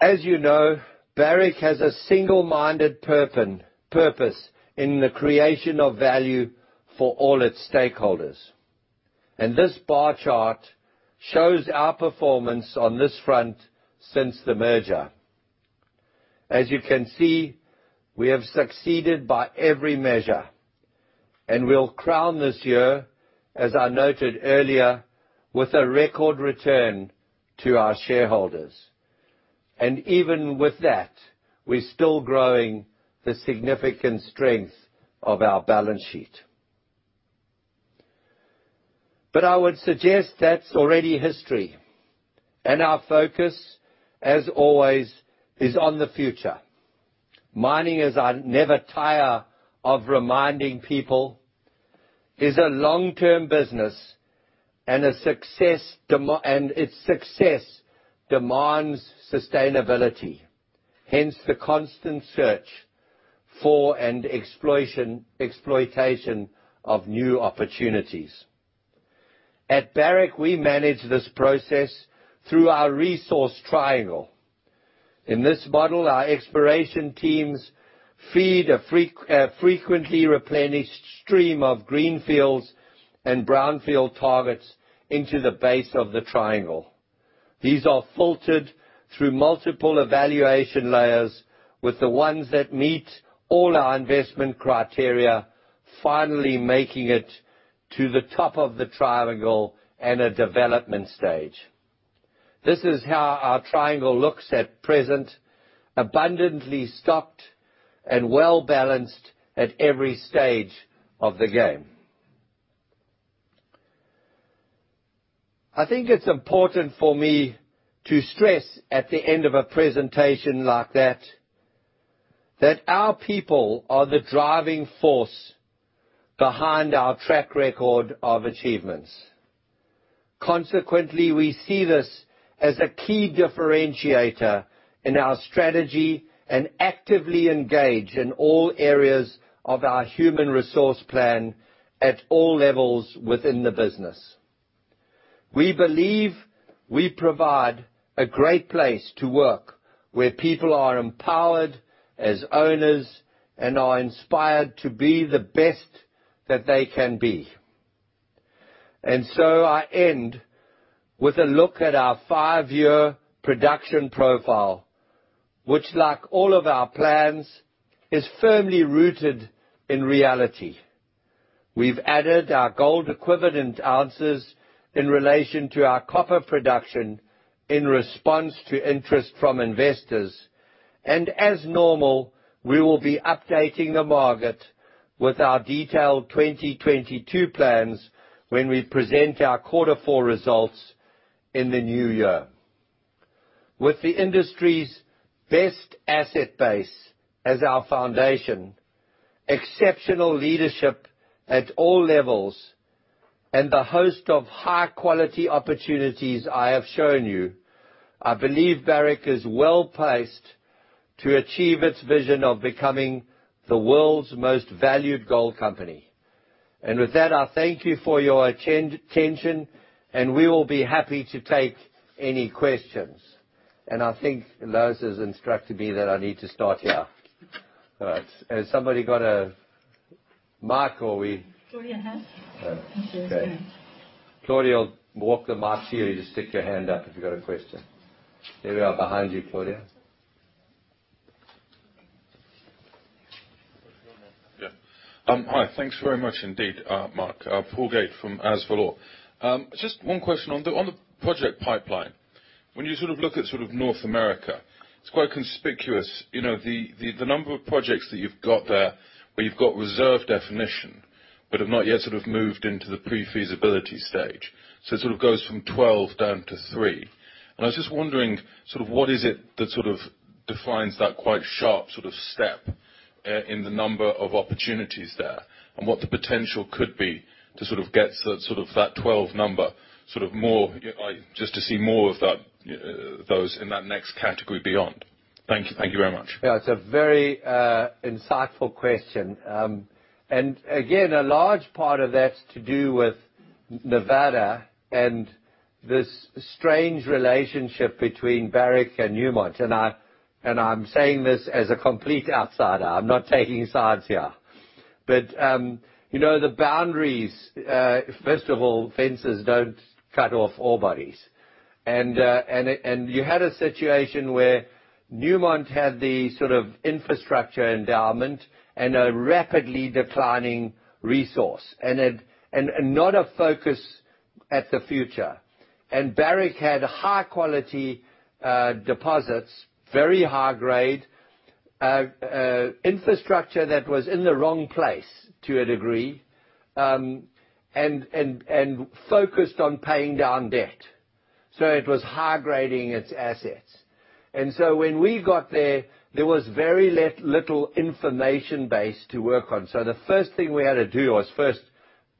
As you know, Barrick has a single-minded purpose in the creation of value for all its stakeholders, and this bar chart shows our performance on this front since the merger. As you can see, we have succeeded by every measure, and we'll crown this year, as I noted earlier, with a record return to our shareholders. Even with that, we're still growing the significant strength of our balance sheet. I would suggest that's already history, and our focus, as always, is on the future. Mining, as I never tire of reminding people, is a long-term business and its success demands sustainability. Hence, the constant search for and exploitation of new opportunities. At Barrick, we manage this process through our resource triangle. In this model, our exploration teams feed a frequently replenished stream of greenfields and brownfield targets into the base of the triangle. These are filtered through multiple evaluation layers with the ones that meet all our investment criteria, finally making it to the top of the triangle and a development stage. This is how our triangle looks at present, abundantly stocked and well-balanced at every stage of the game. I think it's important for me to stress at the end of a presentation like that our people are the driving force behind our track record of achievements. Consequently, we see this as a key differentiator in our strategy and actively engage in all areas of our human resource plan at all levels within the business. We believe we provide a great place to work, where people are empowered as owners and are inspired to be the best that they can be. I end with a look at our five-year production profile, which, like all of our plans, is firmly rooted in reality. We've added our gold equivalent ounces in relation to our copper production in response to interest from investors. As normal, we will be updating the market with our detailed 2022 plans when we present our quarter four results in the new year. With the industry's best asset base as our foundation, exceptional leadership at all levels, and the host of high-quality opportunities I have shown you, I believe Barrick is well-placed to achieve its vision of becoming the world's most valued gold company. With that, I thank you for your attention, and we will be happy to take any questions. I think Lois has instructed me that I need to start here. All right. Has somebody got a mic or are we- Claudia has. Oh, okay. Claudia will walk the mic to you. Just stick your hand up if you got a question. There we are, behind you, Claudia. Yeah. Hi. Thanks very much indeed, Mark. Paul Gait from Azvalor. Just one question on the project pipeline. When you sort of look at sort of North America, it's quite conspicuous, you know, the number of projects that you've got there, where you've got reserve definition, but have not yet sort of moved into the pre-feasibility stage. It sort of goes from 12 down to three. I was just wondering, sort of what is it that sort of defines that quite sharp sort of step in the number of opportunities there, and what the potential could be to sort of get sort of that 12 number, sort of more, just to see more of those in that next category beyond. Thank you. Thank you very much. Yeah. It's a very insightful question. Again, a large part of that's to do with Nevada and this strange relationship between Barrick and Newmont. I'm saying this as a complete outsider. I'm not taking sides here. You know, the boundaries, first of all, fences don't cut off ore bodies. You had a situation where Newmont had the sort of infrastructure endowment and a rapidly declining resource, and not a focus on the future. Barrick had high quality deposits, very high grade infrastructure that was in the wrong place to a degree, and focused on paying down debt. It was high-grading its assets. When we got there was very little information base to work on. The first thing we had to do was first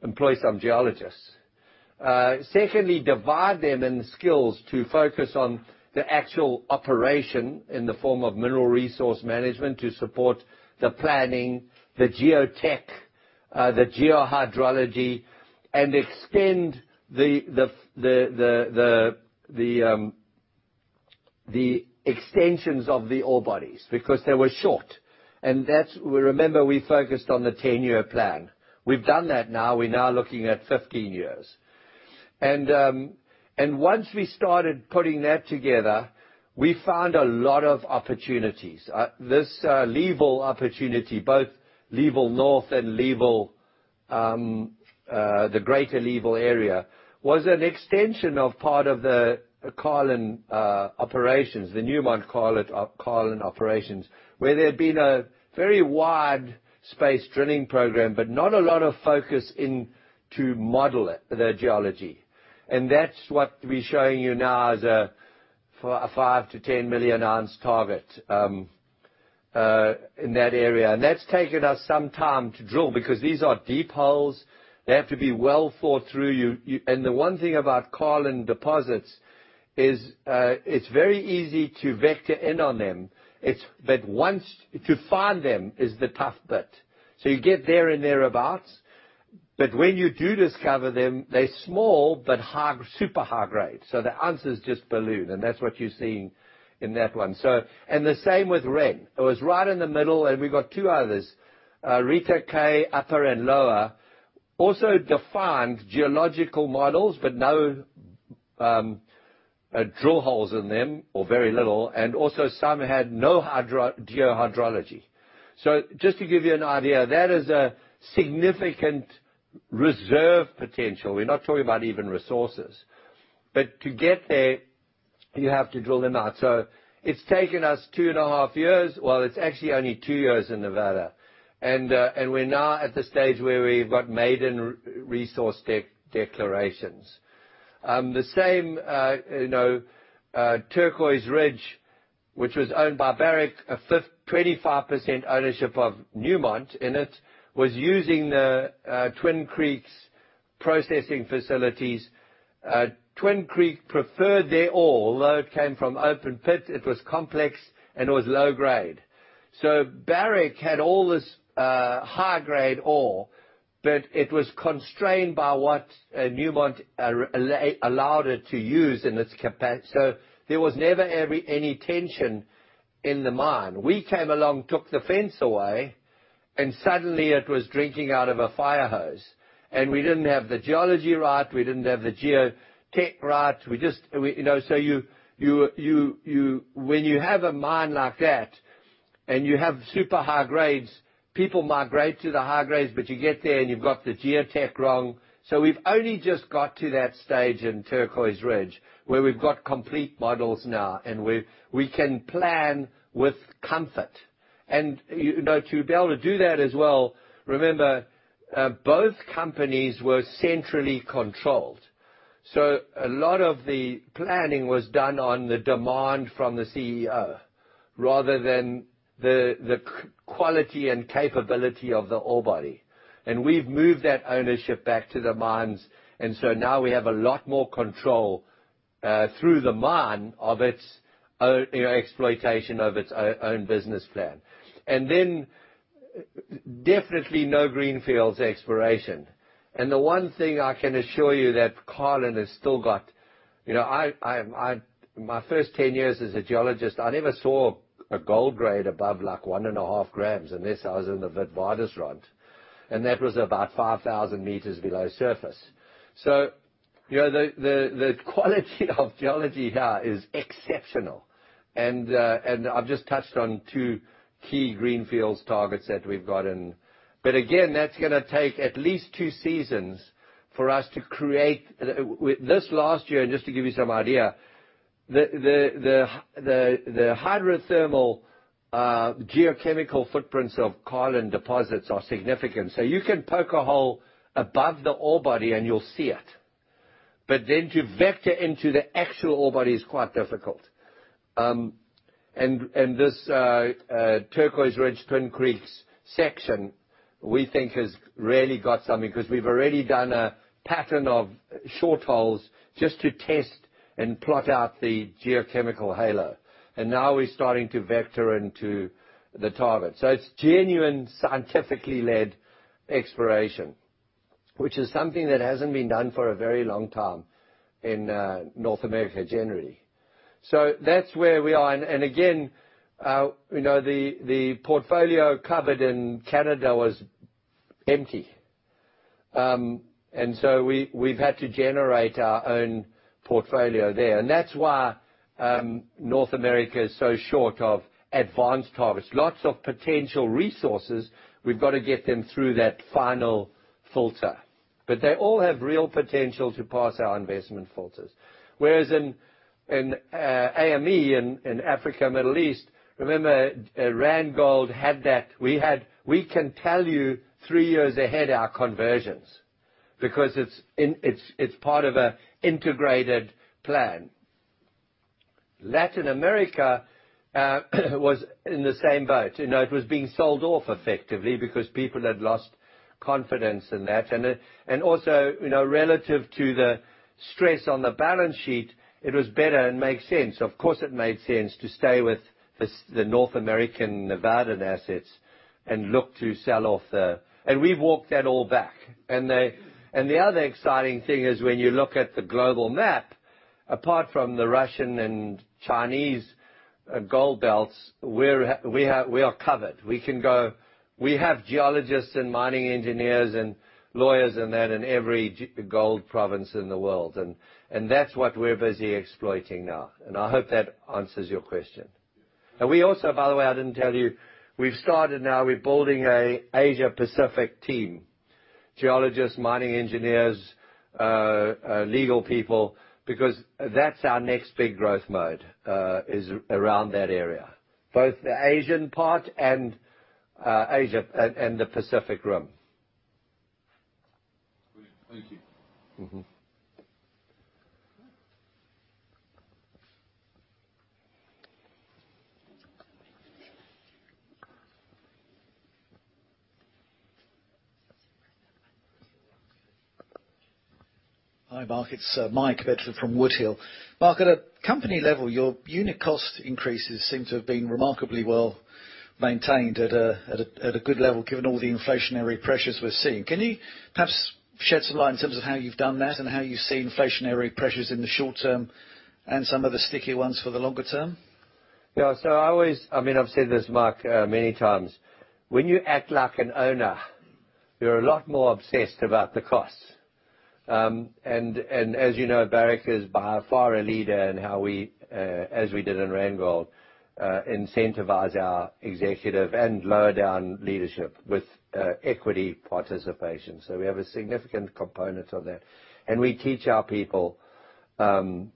employ some geologists. Secondly, divide them in the skills to focus on the actual operation in the form of mineral resource management to support the planning, the geotech, the geohydrology, and extend the extensions of the ore bodies, because they were short. We remember we focused on the 10-year plan. We've done that now. We're now looking at 15 years. Once we started putting that together, we found a lot of opportunities. This Leeville opportunity, both Leeville North and Leeville, the Greater Leeville area, was an extension of part of the Carlin operations, the Newmont Carlin operations, where there had been a very wide-space drilling program, but not a lot of focus in to model it, the geology. That's what we're showing you now as a 5 million-10 million ounce target in that area. That's taken us some time to drill, because these are deep holes. They have to be well thought through. The one thing about Carlin deposits is, it's very easy to vector in on them. To find them is the tough bit. You get there and thereabouts, but when you do discover them, they're small, but high, super high grade. The ounces just balloon, and that's what you're seeing in that one. The same with Ren. It was right in the middle, and we got two others. Rita K, Upper and Lower, also defined geological models, but no drill holes in them or very little, and also some had no hydrogeology. Just to give you an idea, that is a significant reserve potential. We're not talking about even resources. To get there, you have to drill them out. It's taken us two and a half years. Well, it's actually only two years in Nevada. And we're now at the stage where we've got maiden resource declarations. You know, Turquoise Ridge, which was owned by Barrick, 25% ownership of Newmont in it, was using the Twin Creeks processing facilities. Twin Creek preferred their ore, although it came from open pit, it was complex and it was low grade. Barrick had all this high-grade ore, but it was constrained by what Newmont allowed it to use in its capacity. There was never any tension in the mine. We came along, took the fence away, and suddenly it was drinking out of a fire hose. We didn't have the geology right, we didn't have the geotech right. We just, you know, when you have a mine like that and you have super high grades, people migrate to the high grades, but you get there and you've got the geotech wrong. We've only just got to that stage in Turquoise Ridge where we've got complete models now and we can plan with comfort. You know, to be able to do that as well, remember, both companies were centrally controlled. A lot of the planning was done on the demand from the CEO rather than the quality and capability of the ore body. We've moved that ownership back to the mines. Now we have a lot more control through the mine of its exploitation of its own business plan. Definitely no greenfields exploration. The one thing I can assure you that Carlin has still got, you know, my first 10 years as a geologist, I never saw a gold grade above, like, one and a half grams unless I was in the Witwatersrand, and that was about 5,000 m below surface. You know, the quality of geology here is exceptional. I've just touched on two key greenfields targets that we've got in. But again, that's gonna take at least two seasons for us to create. This last year, and just to give you some idea, the hydrothermal geochemical footprints of Carlin deposits are significant. You can poke a hole above the ore body and you'll see it. To vector into the actual ore body is quite difficult. This Turquoise Ridge, Twin Creeks section, we think has really got something because we've already done a pattern of short hauls just to test and plot out the geochemical halo. Now we're starting to vector into the target. It's genuine, scientifically led exploration, which is something that hasn't been done for a very long time in North America generally. That's where we are. Again, you know, the portfolio cupboard in Canada was empty, and we've had to generate our own portfolio there. That's why North America is so short of advanced targets. Lots of potential resources, we've got to get them through that final filter. They all have real potential to pass our investment filters. Whereas in AME, in Africa, Middle East, remember, Randgold had that. We can tell you three years ahead our conversions because it's part of a integrated plan. Latin America was in the same boat. You know, it was being sold off effectively because people had lost confidence in that. Also, you know, relative to the stress on the balance sheet, it was better and makes sense. Of course, it made sense to stay with this, the North American Nevada assets and look to sell off the, and we've walked that all back. The other exciting thing is when you look at the global map, apart from the Russian and Chinese gold belts, we are covered. We can go. We have geologists and mining engineers and lawyers and that in every gold province in the world. That's what we're busy exploiting now. I hope that answers your question. We also, by the way, I didn't tell you, we've started now, we're building an Asia Pacific team, geologists, mining engineers, legal people, because that's our next big growth mode, is around that area, both the Asian part and Asia and the Pacific Rim. Brilliant. Thank you. Mm-hmm. Hi, Mark. It's Mike Bedford from Woodhill. Mark, at a company level, your unit cost increases seem to have been remarkably well maintained at a good level, given all the inflationary pressures we're seeing. Can you perhaps shed some light in terms of how you've done that and how you see inflationary pressures in the short term and some of the sticky ones for the longer term? Yeah. I mean, I've said this, Mike, many times. When you act like an owner, you're a lot more obsessed about the costs. As you know, Barrick is by far a leader in how we, as we did in Randgold, incentivize our executive and lower down leadership with equity participation. We have a significant component of that. We teach our people to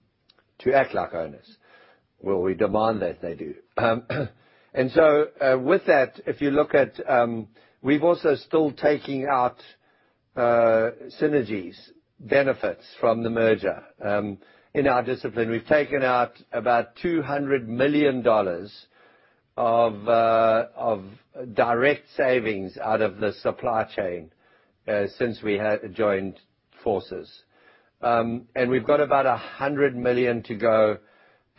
act like owners. Well, we demand that they do. With that, if you look at, we've also still taking out synergies, benefits from the merger in our discipline. We've taken out about $200 million of direct savings out of the supply chain since we joined forces. We've got about $100 million to go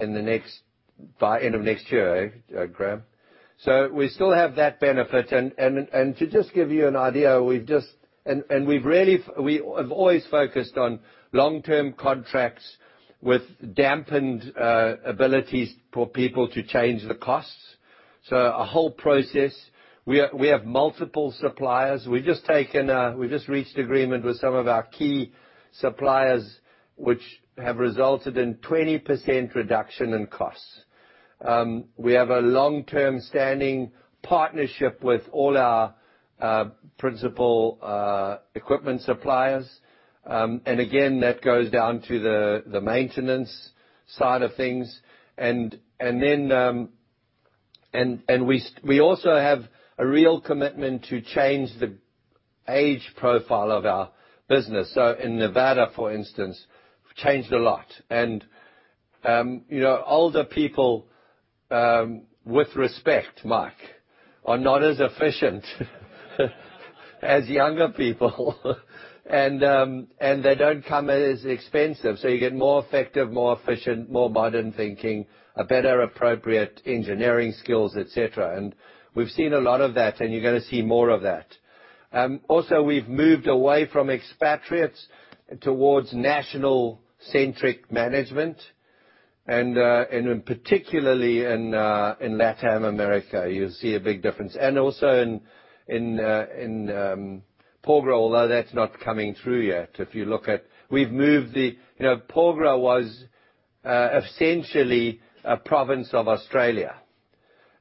in the next, by end of next year, Graham. We still have that benefit. To just give you an idea, we have always focused on long-term contracts with dampened abilities for people to change the costs. It's a whole process. We have multiple suppliers. We just reached agreement with some of our key suppliers, which have resulted in 20% reduction in costs. We have a long-term standing partnership with all our principal equipment suppliers. That goes down to the maintenance side of things. We also have a real commitment to change the age profile of our business. In Nevada, for instance, changed a lot. You know, older people, with respect, Mike, are not as efficient as younger people. They don't come as expensive. You get more effective, more efficient, more modern thinking, a better appropriate engineering skills, et cetera. We've seen a lot of that, and you're gonna see more of that. Also, we've moved away from expatriates towards national-centric management, and particularly in Latin America, you'll see a big difference. Also in Porgera, although that's not coming through yet. Porgera was essentially a province of Australia,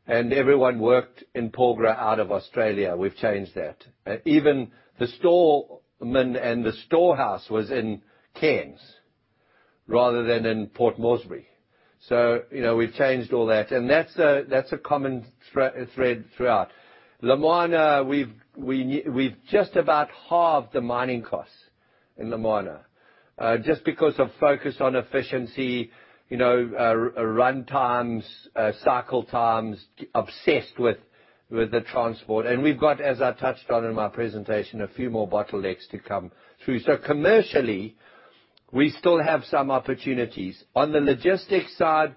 and everyone worked in Porgera out of Australia. We've changed that. Even the storemen and the storehouse was in Cairns rather than in Port Moresby. You know, we've changed all that, and that's a common thread throughout. Lumwana, we've just about halved the mining costs in Lumwana, just because of focus on efficiency, you know, run times, cycle times, obsessed with the transport. We've got, as I touched on in my presentation, a few more bottlenecks to come through. Commercially, we still have some opportunities. On the logistics side,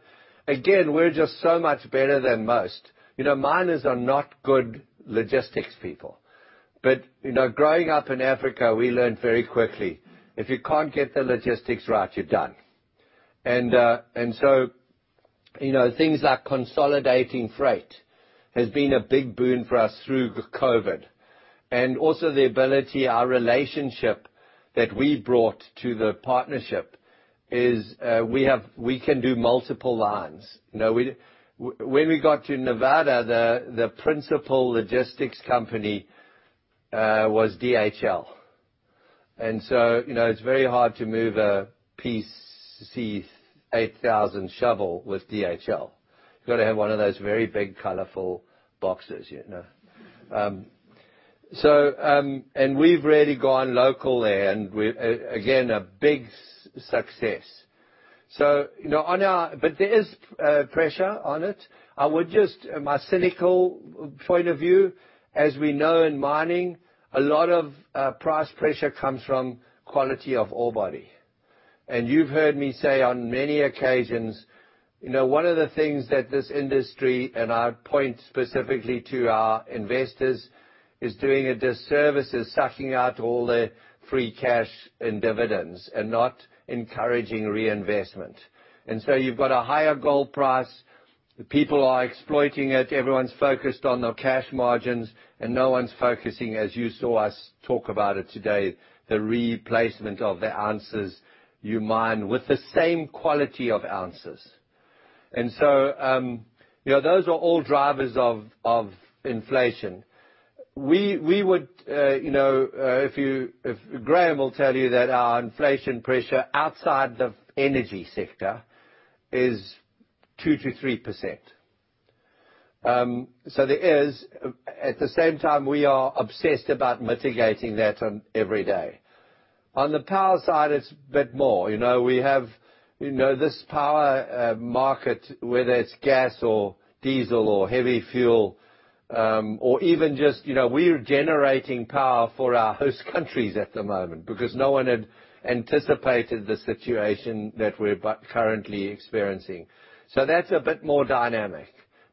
again, we're just so much better than most. You know, miners are not good logistics people. You know, growing up in Africa, we learned very quickly, if you can't get the logistics right, you're done. You know, things like consolidating freight has been a big boon for us through COVID. Also the ability, our relationship that we brought to the partnership is, we have we can do multiple lines. You know, when we got to Nevada, the principal logistics company was DHL. You know, it's very hard to move a PC8000 shovel with DHL. You gotta have one of those very big, colorful boxes, you know? We've really gone local there, and we again, a big success. You know, on our but there is pressure on it. I would just, my cynical point of view, as we know in mining, a lot of price pressure comes from quality of ore body. You've heard me say on many occasions, you know, one of the things that this industry, and I point specifically to our investors, is doing a disservice is sucking out all the free cash and dividends and not encouraging reinvestment. You've got a higher gold price. The people are exploiting it. Everyone's focused on the cash margins, and no one's focusing, as you saw us talk about it today, the replacement of the ounces you mine with the same quality of ounces. Those are all drivers of inflation. We would, you know, Graham will tell you that our inflation pressure outside the energy sector is 2%-3%. At the same time, we are obsessed about mitigating that every day. On the power side, it's a bit more. You know, we have, you know, this power market, whether it's gas or diesel or heavy fuel, or even just, you know, we're generating power for our host countries at the moment because no one had anticipated the situation that we're currently experiencing. That's a bit more dynamic.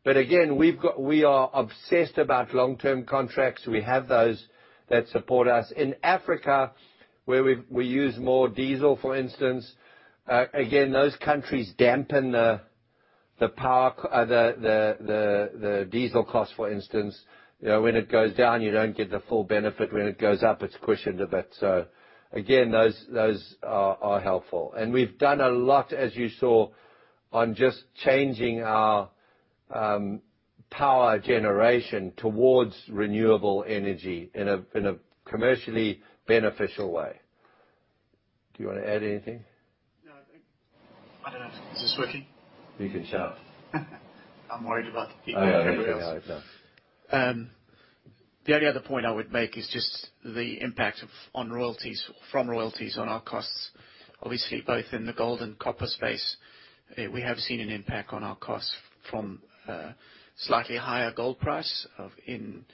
We've got we are obsessed about long-term contracts. We have those that support us. In Africa, where we use more diesel, for instance, again, those countries dampen the diesel cost, for instance. You know, when it goes down, you don't get the full benefit. When it goes up, it's cushioned a bit. Those are helpful. We've done a lot, as you saw, on just changing our power generation towards renewable energy in a commercially beneficial way. Do you wanna add anything? No, I don't. I don't know. Is this working? You can shout. I'm worried about the people on headphones. Oh, yeah, yeah, I know. The only other point I would make is just the impact of, on royalties, from royalties on our costs. Obviously, both in the gold and copper space, we have seen an impact on our costs from, slightly higher gold price of. In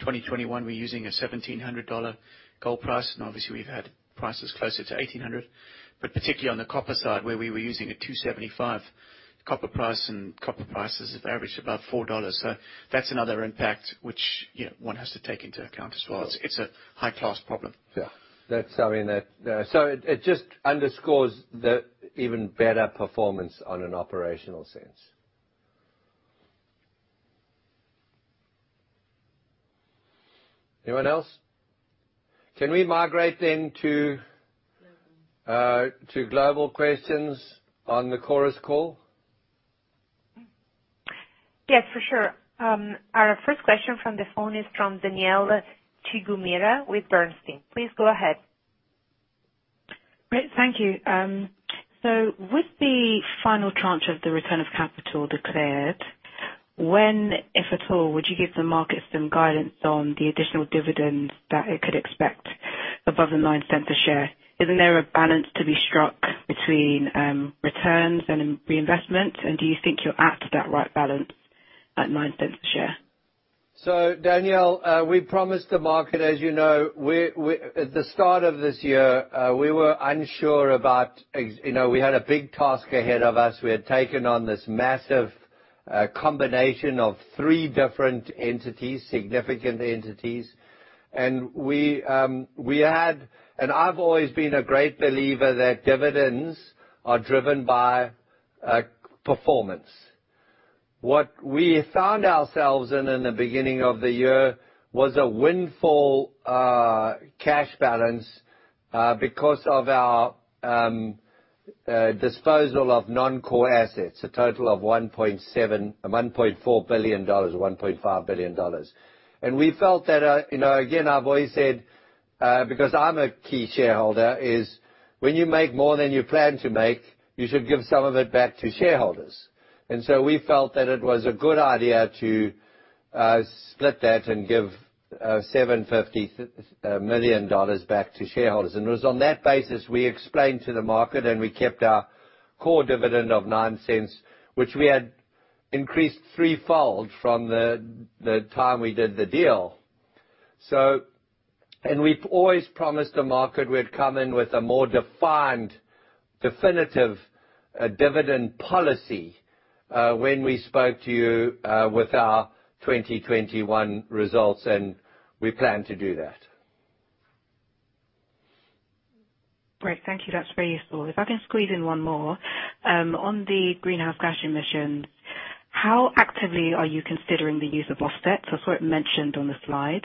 2021, we're using a $1,700 gold price, and obviously we've had prices closer to $1,800. But particularly on the copper side, where we were using a $2.75 copper price, and copper prices have averaged above $4, so that's another impact which, you know, one has to take into account as well. It's a high-class problem. Yeah. That's something that, so it just underscores the even better performance on an operational sense. Anyone else? Can we migrate then to- Global to global questions on the Chorus call? Yes, for sure. Our first question from the phone is from Danielle Chigumira with Bernstein. Please go ahead. Great. Thank you. So with the final tranche of the return of capital declared, when, if at all, would you give the market some guidance on the additional dividends that it could expect above the $0.09 per share? Isn't there a balance to be struck between returns and reinvestment? Do you think you're at that right balance at $0.09 per share? Danielle, we promised the market, as you know. At the start of this year, we were unsure. You know, we had a big task ahead of us. We had taken on this massive combination of three different entities, significant entities, and I've always been a great believer that dividends are driven by performance. What we found ourselves in the beginning of the year was a windfall cash balance because of our disposal of non-core assets, a total of $1.4 billion-$1.5 billion. We felt that, you know, again, I've always said, because I'm a key shareholder, is when you make more than you plan to make, you should give some of it back to shareholders. We felt that it was a good idea to split that and give $750 million back to shareholders. It was on that basis, we explained to the market, and we kept our core dividend of $0.09, which we had increased threefold from the time we did the deal. We've always promised the market we'd come in with a more defined, definitive dividend policy when we spoke to you with our 2021 results, and we plan to do that. Great. Thank you. That's very useful. If I can squeeze in one more. On the greenhouse gas emission, how actively are you considering the use of offsets? I saw it mentioned on the slide.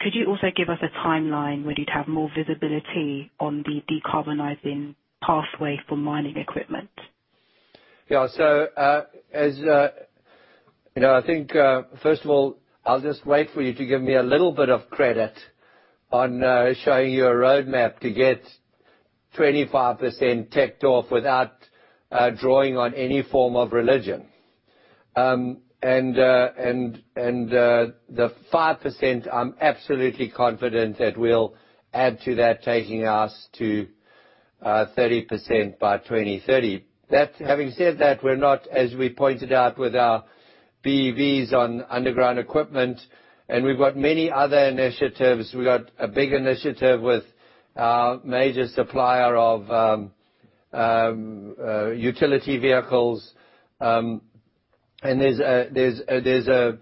Could you also give us a timeline where you'd have more visibility on the decarbonizing pathway for mining equipment? Yeah. As you know, I think first of all, I'll just wait for you to give me a little bit of credit on showing you a roadmap to get 25% ticked off without drawing on any form of religion. And the 5%, I'm absolutely confident that we'll add to that, taking us to 30% by 2030. That. Having said that, we're not, as we pointed out, with our BEVs on underground equipment, and we've got many other initiatives. We've got a big initiative with our major supplier of utility vehicles. And there's a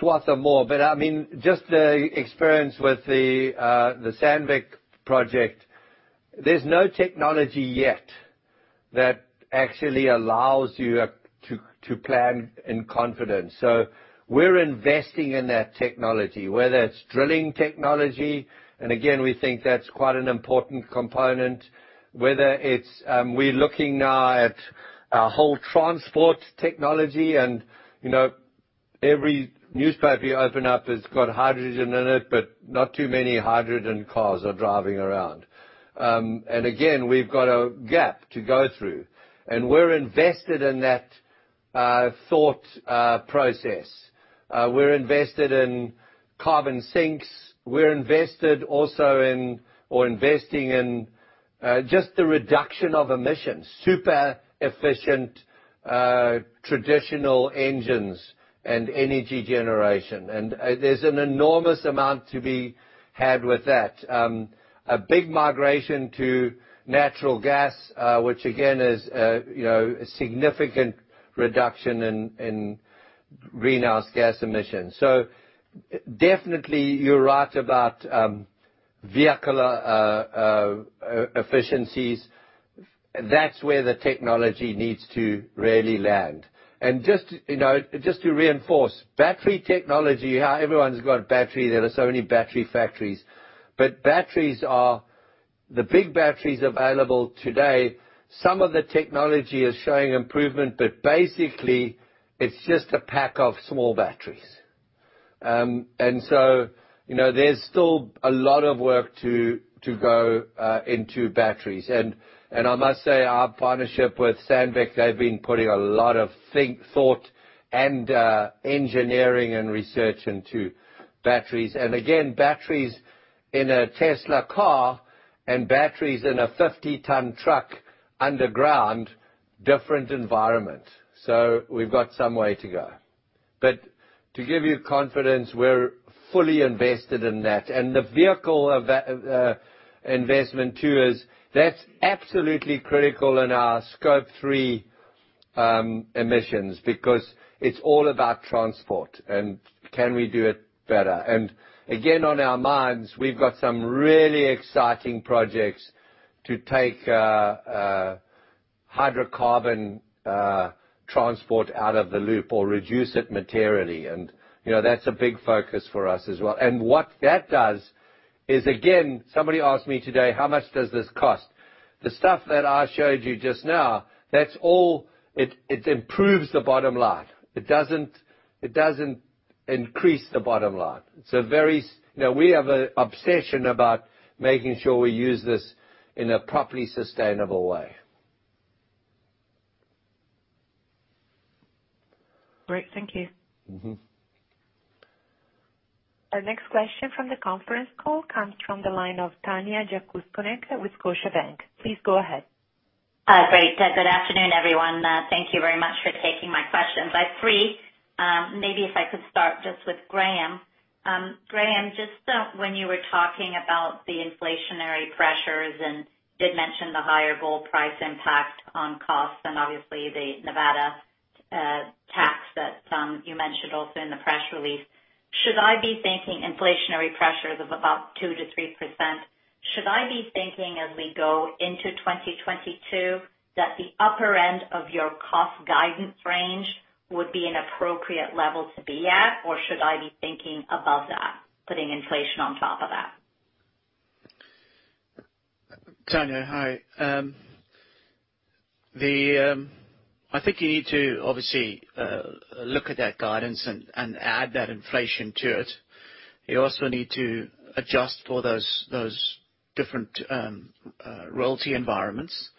swath or more. But I mean, just the experience with the Sandvik project, there's no technology yet that actually allows you to plan in confidence. We're investing in that technology, whether it's drilling technology, and again, we think that's quite an important component. Whether it's, we're looking now at a whole transport technology and, you know, every newspaper you open up has got hydrogen in it, but not too many hydrogen cars are driving around. Again, we've got a gap to go through. We're invested in that thought process. We're invested in carbon sinks; we're invested also in, or investing in, just the reduction of emissions, super efficient traditional engines and energy generation. There's an enormous amount to be had with that. A big migration to natural gas, which again is, you know, a significant reduction in greenhouse gas emissions. Definitely, you're right about vehicle efficiencies. That's where the technology needs to really land. Just, you know, just to reinforce, battery technology, how everyone's got battery, there are so many battery factories. But batteries are the big batteries available today, some of the technology is showing improvement, but basically, it's just a pack of small batteries. You know, there's still a lot of work to go into batteries. I must say, our partnership with Sandvik, they've been putting a lot of thought and engineering and research into batteries. Again, batteries in a Tesla car and batteries in a 50-ton truck underground, different environment. We've got some way to go. But to give you confidence, we're fully invested in that. The vehicle of that investment, too, is that it's absolutely critical in our Scope 3 emissions, because it's all about transport and can we do it better. Again, on our minds, we've got some really exciting projects to take hydrocarbon transport out of the loop or reduce it materially. You know, that's a big focus for us as well. What that does is, again, somebody asked me today, how much does this cost? The stuff that I showed you just now, that's all it improves the bottom line. It doesn't increase the bottom line. It's a very, you know, we have an obsession about making sure we use this in a properly sustainable way. Great. Thank you. Mm-hmm. Our next question from the conference call comes from the line of Tanya Jakusconek with Scotiabank. Please go ahead. Great. Good afternoon, everyone. Thank you very much for taking my questions. I have three. Maybe if I could start just with Graham. Graham, just, when you were talking about the inflationary pressures and did mention the higher gold price impact on costs and obviously the Nevada tax that, you mentioned also in the press release. Should I be thinking inflationary pressures of about 2%-3%? Should I be thinking as we go into 2022 that the upper end of your cost guidance range would be an appropriate level to be at, or should I be thinking above that, putting inflation on top of that? Tanya, hi. I think you need to obviously look at that guidance and add that inflation to it. You also need to adjust for those different royalty environments,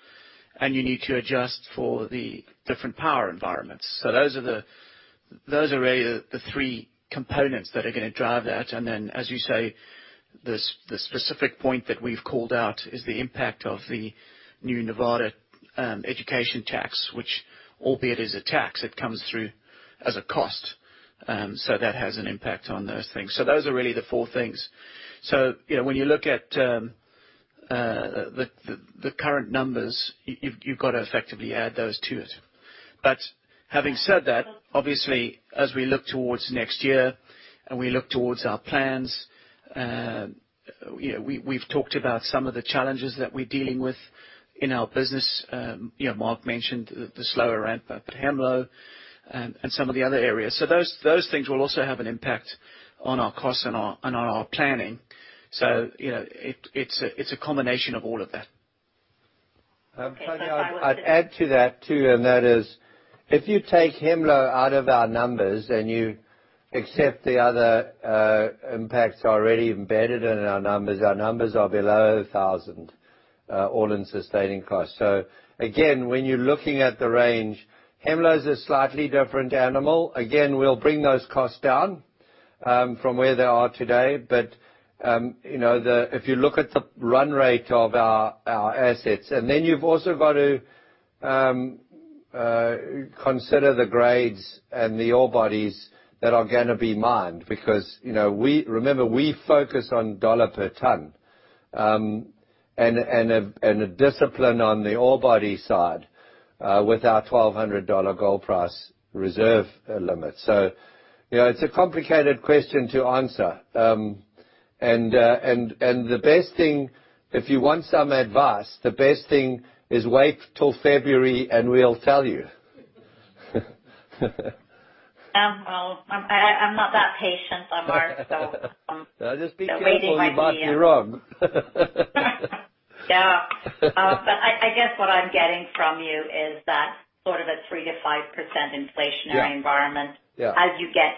and you need to adjust for the different power environments. Those are really the three components that are gonna drive that. As you say, the specific point that we've called out is the impact of the new Nevada education tax, which albeit is a tax, it comes through as a cost. That has an impact on those things. Those are really the four things. You know, when you look at the current numbers, you've got to effectively add those to it. Having said that, obviously, as we look towards next year and we look towards our plans, you know, we've talked about some of the challenges that we're dealing with in our business. You know, Mark mentioned the slower ramp up at Hemlo and some of the other areas. Those things will also have an impact on our costs and on our planning. You know, it's a combination of all of that. Tanya, I'd add to that, too, and that is if you take Hemlo out of our numbers and you accept the other impacts already embedded in our numbers, our numbers are below 1,000 all-in sustaining costs. Again, when you're looking at the range, Hemlo is a slightly different animal. Again, we'll bring those costs down from where they are today. You know, if you look at the run rate of our assets, and then you've also got to consider the grades and the ore bodies that are gonna be mined because you know, remember, we focus on dollar per ton and a discipline on the ore body side with our $1,200 gold price reserve limit. You know, it's a complicated question to answer. The best thing, if you want some advice, the best thing is wait till February, and we'll tell you. Well, I'm not that patient, I'm Mark, so Just be careful. Waiting might be You might be wrong. Yeah. I guess what I'm getting from you is that sort of a 3%-5% inflationary environment- Yeah. Yeah... as you get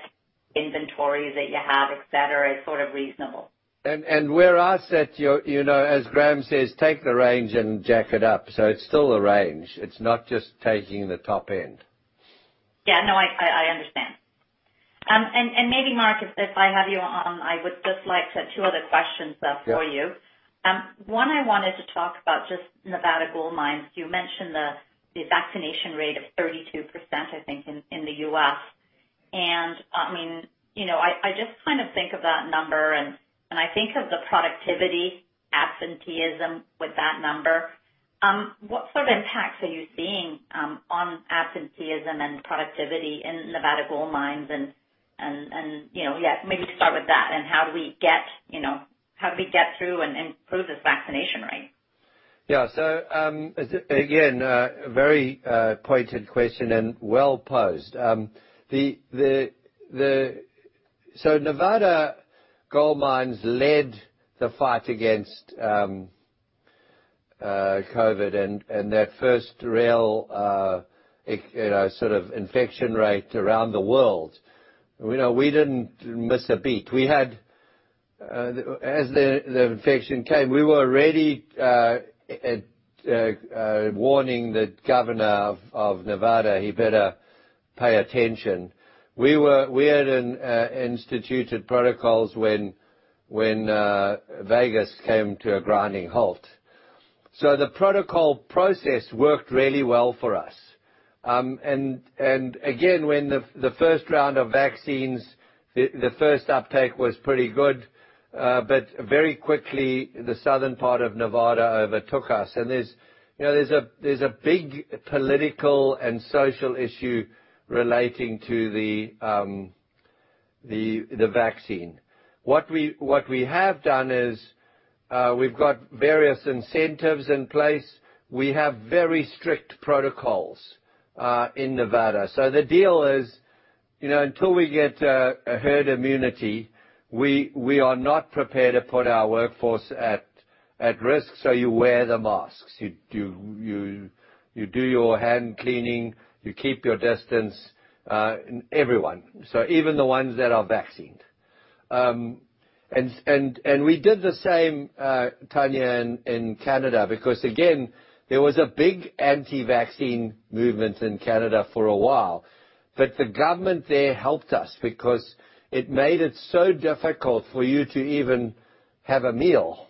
inventory that you have, etc, is sort of reasonable. where I sit, you know, as Graham says, take the range and jack it up. It's still a range. It's not just taking the top end. Yeah, no, I understand. Maybe Mark, if I have you on, I would just like to two other questions for you. Yeah. One, I wanted to talk about just Nevada Gold Mines. You mentioned the vaccination rate of 32%, I think, in the U.S. I mean, you know, I just kind of think of that number, and I think of the productivity and absenteeism with that number. What sort of impacts are you seeing on absenteeism and productivity in Nevada Gold Mines, and you know? Yeah, maybe start with that. How do we get, you know, how do we get through and improve this vaccination rate? Yeah. Again, a very pointed question and well posed. Nevada Gold Mines led the fight against COVID and that first real you know sort of infection rate around the world. You know, we didn't miss a beat. We had, as the infection came, we were already warning the governor of Nevada, he better pay attention. We had instituted protocols when Vegas came to a grinding halt. The protocol process worked really well for us. Again, when the first round of vaccines, the first uptake was pretty good, but very quickly the southern part of Nevada overtook us. You know, there's a big political and social issue relating to the vaccine. What we have done is, we've got various incentives in place. We have very strict protocols in Nevada. The deal is, you know, until we get a herd immunity, we are not prepared to put our workforce at risk. You wear the masks, you do your hand cleaning, you keep your distance, everyone, so even the ones that are vaccinated. We did the same, Tanya, in Canada, because again, there was a big anti-vaccine movement in Canada for a while. The government there helped us because it made it so difficult for you to even have a meal,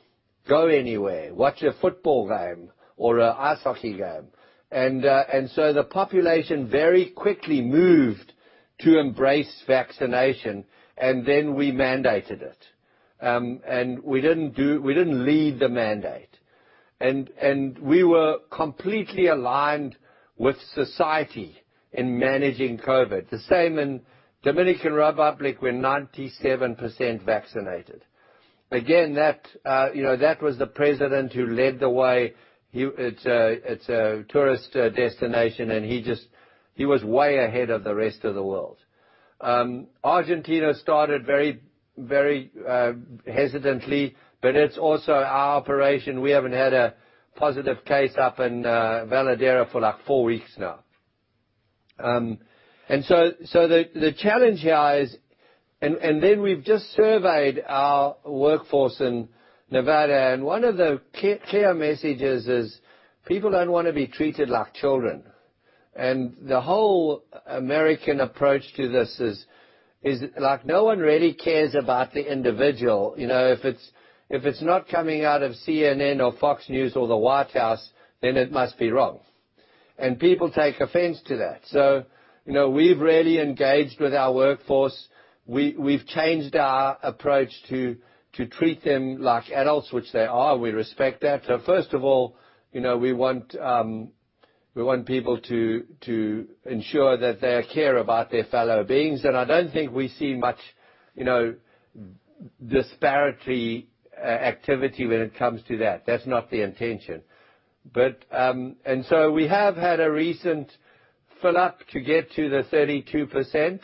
go anywhere, watch a football game or an ice hockey game. The population very quickly moved to embrace vaccination, and then we mandated it. We didn't lead the mandate. We were completely aligned with society in managing COVID. The same in Dominican Republic, we're 97% vaccinated. Again, you know, that was the president who led the way. It's a tourist destination, and he just, he was way ahead of the rest of the world. Argentina started very hesitantly, but it's also our operation. We haven't had a positive case up in Veladero for like four weeks now. So the challenge here is. Then we've just surveyed our workforce in Nevada, and one of the clear messages is people don't wanna be treated like children. The whole American approach to this is like no one really cares about the individual. You know, if it's not coming out of CNN or Fox News or the White House, then it must be wrong. People take offense to that. You know, we've really engaged with our workforce. We've changed our approach to treat them like adults, which they are. We respect that. First of all, you know, we want people to ensure that they care about their fellow beings. I don't think we see much disparity activity when it comes to that. That's not the intention. We have had a recent fill-up to get to the 32%,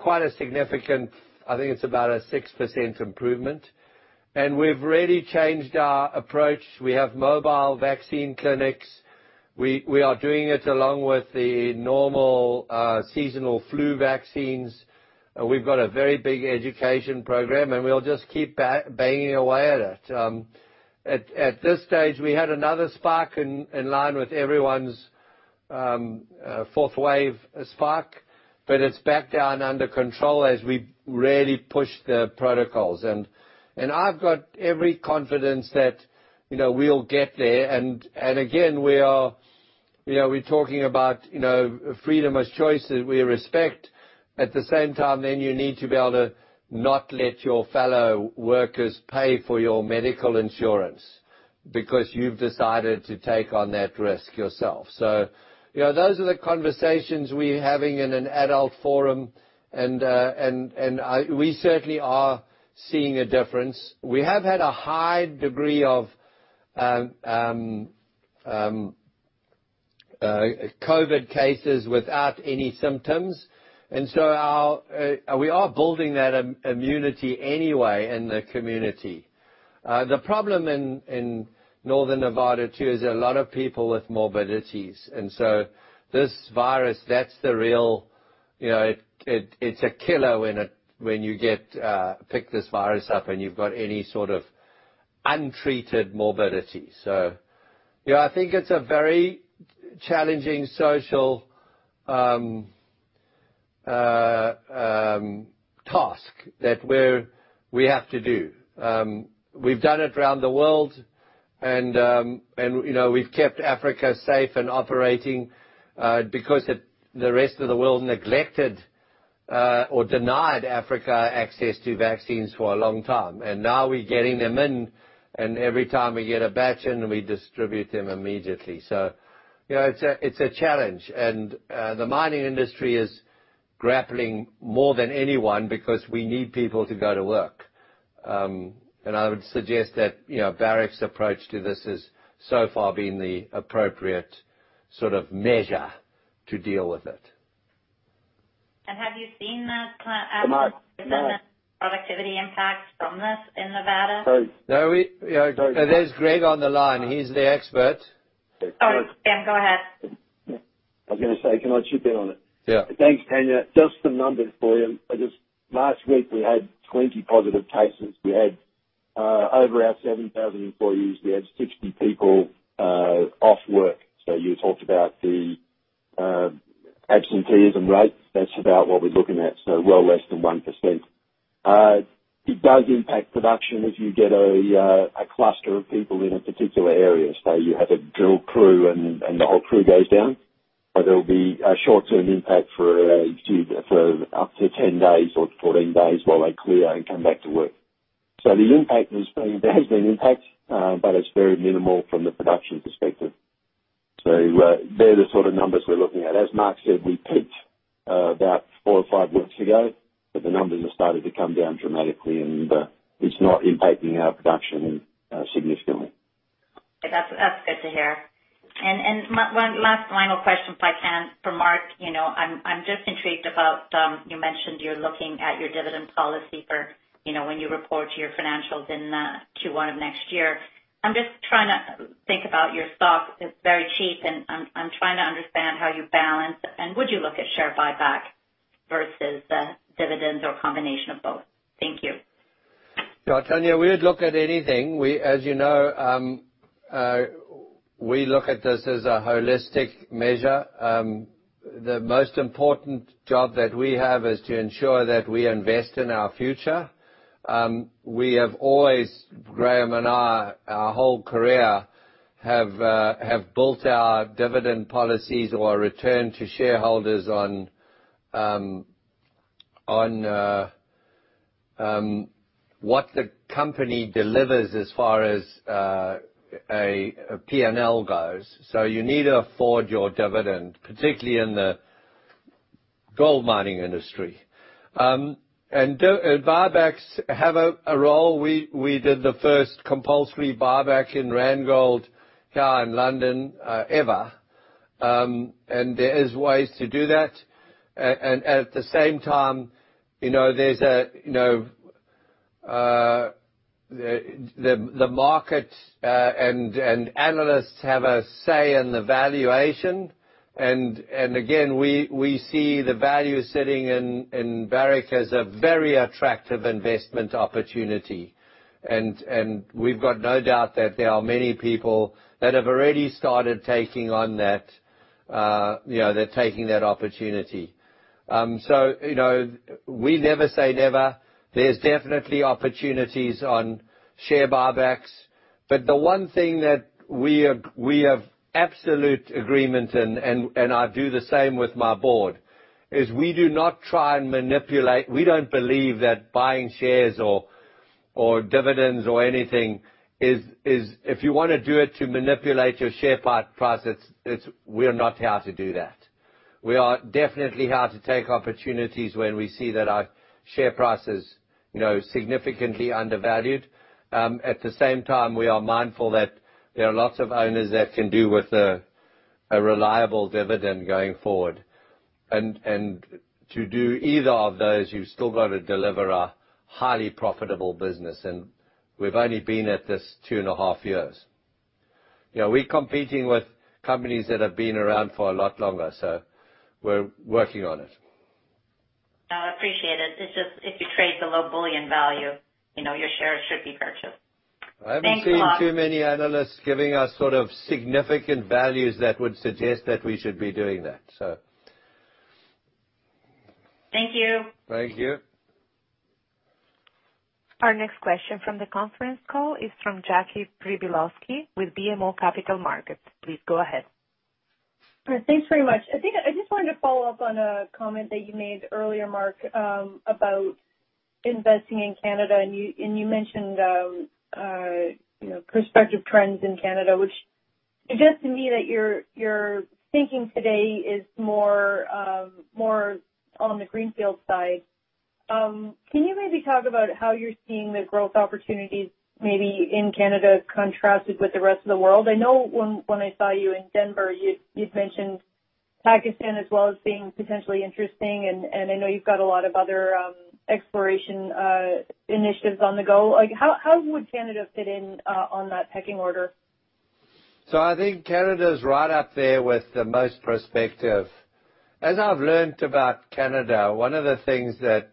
quite a significant. I think it's about a 6% improvement. We've really changed our approach. We have mobile vaccine clinics. We are doing it along with the normal seasonal flu vaccines. We've got a very big education program, and we'll just keep banging away at it. At this stage, we had another spike in line with everyone's fourth wave spike, but it's back down under control as we really pushed the protocols. I've got every confidence that, you know, we'll get there. We're talking about, you know, freedom of choice that we respect. At the same time, you need to be able to not let your fellow workers pay for your medical insurance because you've decided to take on that risk yourself. You know, those are the conversations we're having in an adult forum, and we certainly are seeing a difference. We have had a high degree of COVID cases without any symptoms, and so our We are building that immunity anyway in the community. The problem in Northern Nevada too is a lot of people with morbidities. This virus, that's the real, it's a killer when you pick up this virus and you've got any sort of untreated morbidity. You know, I think it's a very challenging social task that we have to do. We've done it around the world, and you know, we've kept Africa safe and operating because the rest of the world neglected or denied Africa access to vaccines for a long time. Now we're getting them in, and every time we get a batch in, we distribute them immediately. You know, it's a challenge. The mining industry is grappling more than anyone because we need people to go to work. I would suggest that, you know, Barrick's approach to this has so far been the appropriate sort of measure to deal with it. Have you seen that, have productivity impacts from this in Nevada? No. Yeah. There's Greg on the line. He's the expert. Oh, yeah, go ahead. I was gonna say, can I chip in on it? Yeah. Thanks, Tanya. Just the numbers for you. I guess last week we had 20 positive cases. We had over our 7,000 employees, we had 60 people off work. You talked about the absenteeism rate. That's about what we're looking at, so well less than 1%. It does impact production if you get a cluster of people in a particular area. Say you have a drill crew and the whole crew goes down, so there'll be a short-term impact for up to 10 days or 14 days while they clear and come back to work. The impact is there. There has been impact, but it's very minimal from the production perspective. They're the sort of numbers we're looking at. As Mark said, we peaked about four or five weeks ago, but the numbers have started to come down dramatically and it's not impacting our production significantly. That's good to hear. One last final question if I can for Mark. You know, I'm just intrigued about, you mentioned you're looking at your dividend policy for, you know, when you report your financials in Q1 of next year. I'm just trying to think about your stock. It's very cheap, and I'm trying to understand how you balance and would you look at share buyback versus the dividends or combination of both? Thank you. Yeah. Tanya, we would look at anything. As you know, we look at this as a holistic measure. The most important job that we have is to ensure that we invest in our future. We have always, Graham and I, our whole career have built our dividend policies or return to shareholders on what the company delivers as far as a P&L goes. You need to afford your dividend, particularly in the gold mining industry, and buybacks have a role. We did the first compulsory buyback in Randgold here in London ever. There is ways to do that. And at the same time, you know, there's the market and analysts have a say in the valuation. Again, we see the value sitting in Barrick as a very attractive investment opportunity. We've got no doubt that there are many people that have already started taking on that, you know, they're taking that opportunity. You know, we never say never. There's definitely opportunities on share buybacks. But the one thing that we have absolute agreement, and I do the same with my board, is we do not try and manipulate. We don't believe that buying shares or dividends or anything is. If you wanna do it to manipulate your share price, we're not here to do that. We are definitely here to take opportunities when we see that our share price is, you know, significantly undervalued. At the same time, we are mindful that there are lots of owners that can do with a reliable dividend going forward. To do either of those, you've still got to deliver a highly profitable business. We've only been at this two and a half years. You know, we're competing with companies that have been around for a lot longer, so we're working on it. I appreciate it. It's just if you trade the low bullion value, you know your shares should be purchased. Thanks a lot. I haven't seen too many analysts giving us sort of significant values that would suggest that we should be doing that. Thank you. Thank you. Our next question from the conference call is from Jackie Przybylowski with BMO Capital Markets. Please go ahead. All right. Thanks very much. I think I just wanted to follow up on a comment that you made earlier, Mark, about investing in Canada. You mentioned, you know, prospective trends in Canada, which suggests to me that your thinking today is more on the greenfield side. Can you maybe talk about how you're seeing the growth opportunities maybe in Canada contrasted with the rest of the world? I know when I saw you in Denver, you'd mentioned Pakistan as well as being potentially interesting and I know you've got a lot of other exploration initiatives on the go. Like how would Canada fit in on that pecking order? I think Canada is right up there with the most prospective. As I've learned about Canada, one of the things that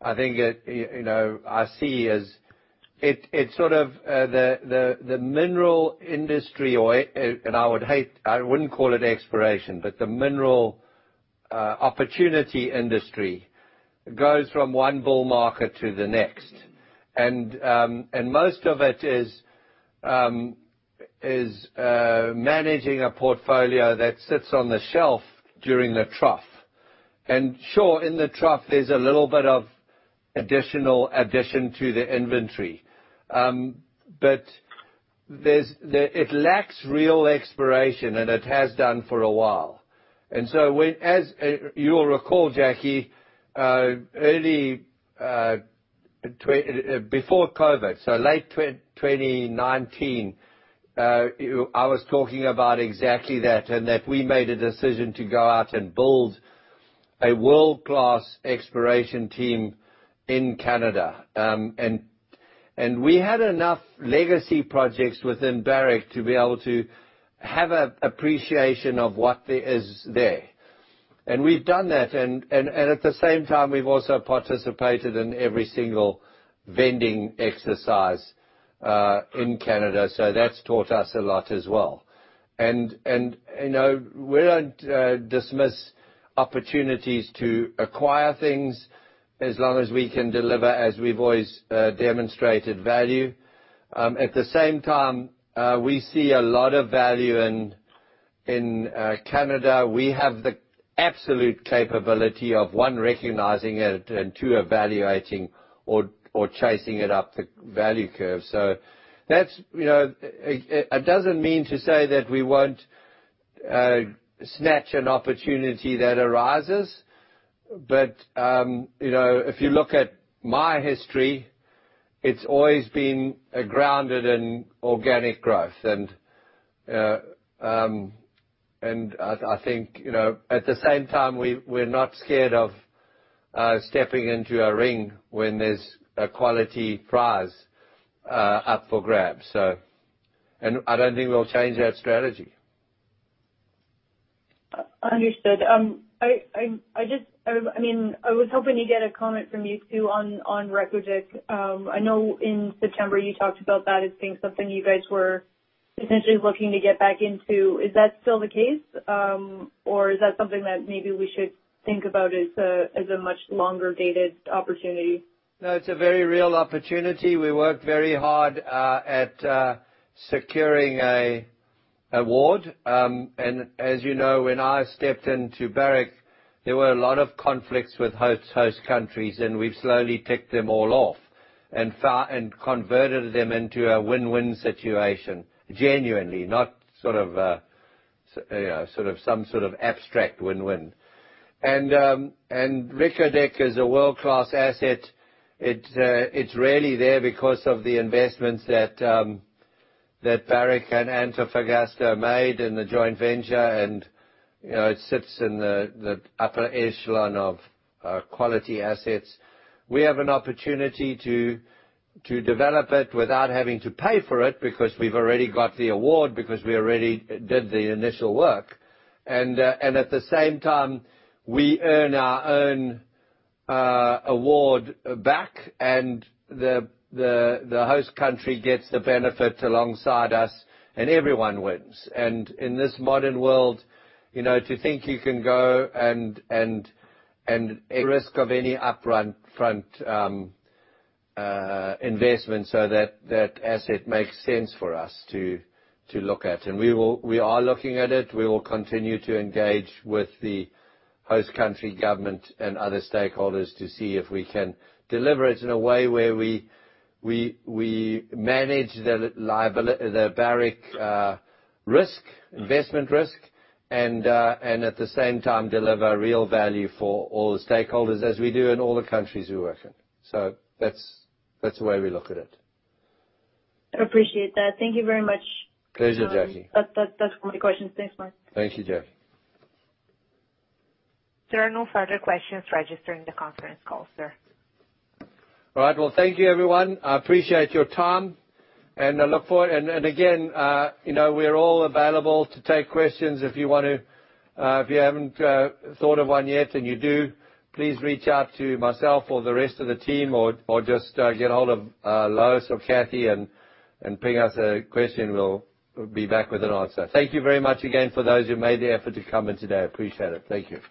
I think, you know, I see is it sort of the mineral industry, and I wouldn't call it exploration, but the mineral opportunity industry goes from one bull market to the next. Most of it is managing a portfolio that sits on the shelf during the trough. Sure, in the trough there's a little bit of additional addition to the inventory. It lacks real exploration, and it has done for a while. As you'll recall, Jackie, early, before COVID, so late 2019, I was talking about exactly that and that we made a decision to go out and build a world-class exploration team in Canada. We had enough legacy projects within Barrick to be able to have an appreciation of what there is there. We've done that. At the same time, we've also participated in every single bidding exercise in Canada. That's taught us a lot as well. You know, we don't dismiss opportunities to acquire things as long as we can deliver, as we've always demonstrated value. At the same time, we see a lot of value in Canada. We have the absolute capability of, one, recognizing it and two, evaluating or chasing it up the value curve. That's, you know, it doesn't mean to say that we won't snatch an opportunity that arises. You know, if you look at my history, it's always been grounded in organic growth. I think, you know, at the same time, we're not scared of stepping into a ring when there's a quality prize up for grabs. I don't think we'll change that strategy. Understood. I mean, I was hoping to get a comment from you, too, on Reko Diq. I know in September you talked about that as being something you guys were essentially looking to get back into. Is that still the case? Or is that something that maybe we should think about as a much longer dated opportunity? No, it's a very real opportunity. We worked very hard at securing an award. As you know, when I stepped into Barrick, there were a lot of conflicts with host countries, and we've slowly ticked them all off and converted them into a win-win situation genuinely, not sort of, you know, sort of some sort of abstract win-win. Reko Diq is a world-class asset. It's really there because of the investments that Barrick and Antofagasta made in the joint venture. You know, it sits in the upper echelon of quality assets. We have an opportunity to develop it without having to pay for it, because we've already got the award, because we already did the initial work. At the same time, we earn our own reward back and the host country gets the benefit alongside us, and everyone wins. In this modern world, you know, to think you can go and at risk of any upfront investment so that that asset makes sense for us to look at. We are looking at it. We will continue to engage with the host country government and other stakeholders to see if we can deliver it in a way where we manage the Barrick risk, investment risk and at the same time deliver real value for all the stakeholders as we do in all the countries we work in. That's the way we look at it. I appreciate that. Thank you very much. Pleasure, Jackie. That's all my questions. Thanks much. Thank you, Jackie. There are no further questions registered in the conference call, sir. All right. Well, thank you, everyone. I appreciate your time and I look forward. Again, you know, we're all available to take questions if you want to. If you haven't thought of one yet and you do, please reach out to myself or the rest of the team or just get a hold of Lois or Cathy and ping us a question. We'll be back with an answer. Thank you very much again for those who made the effort to come in today. I appreciate it. Thank you.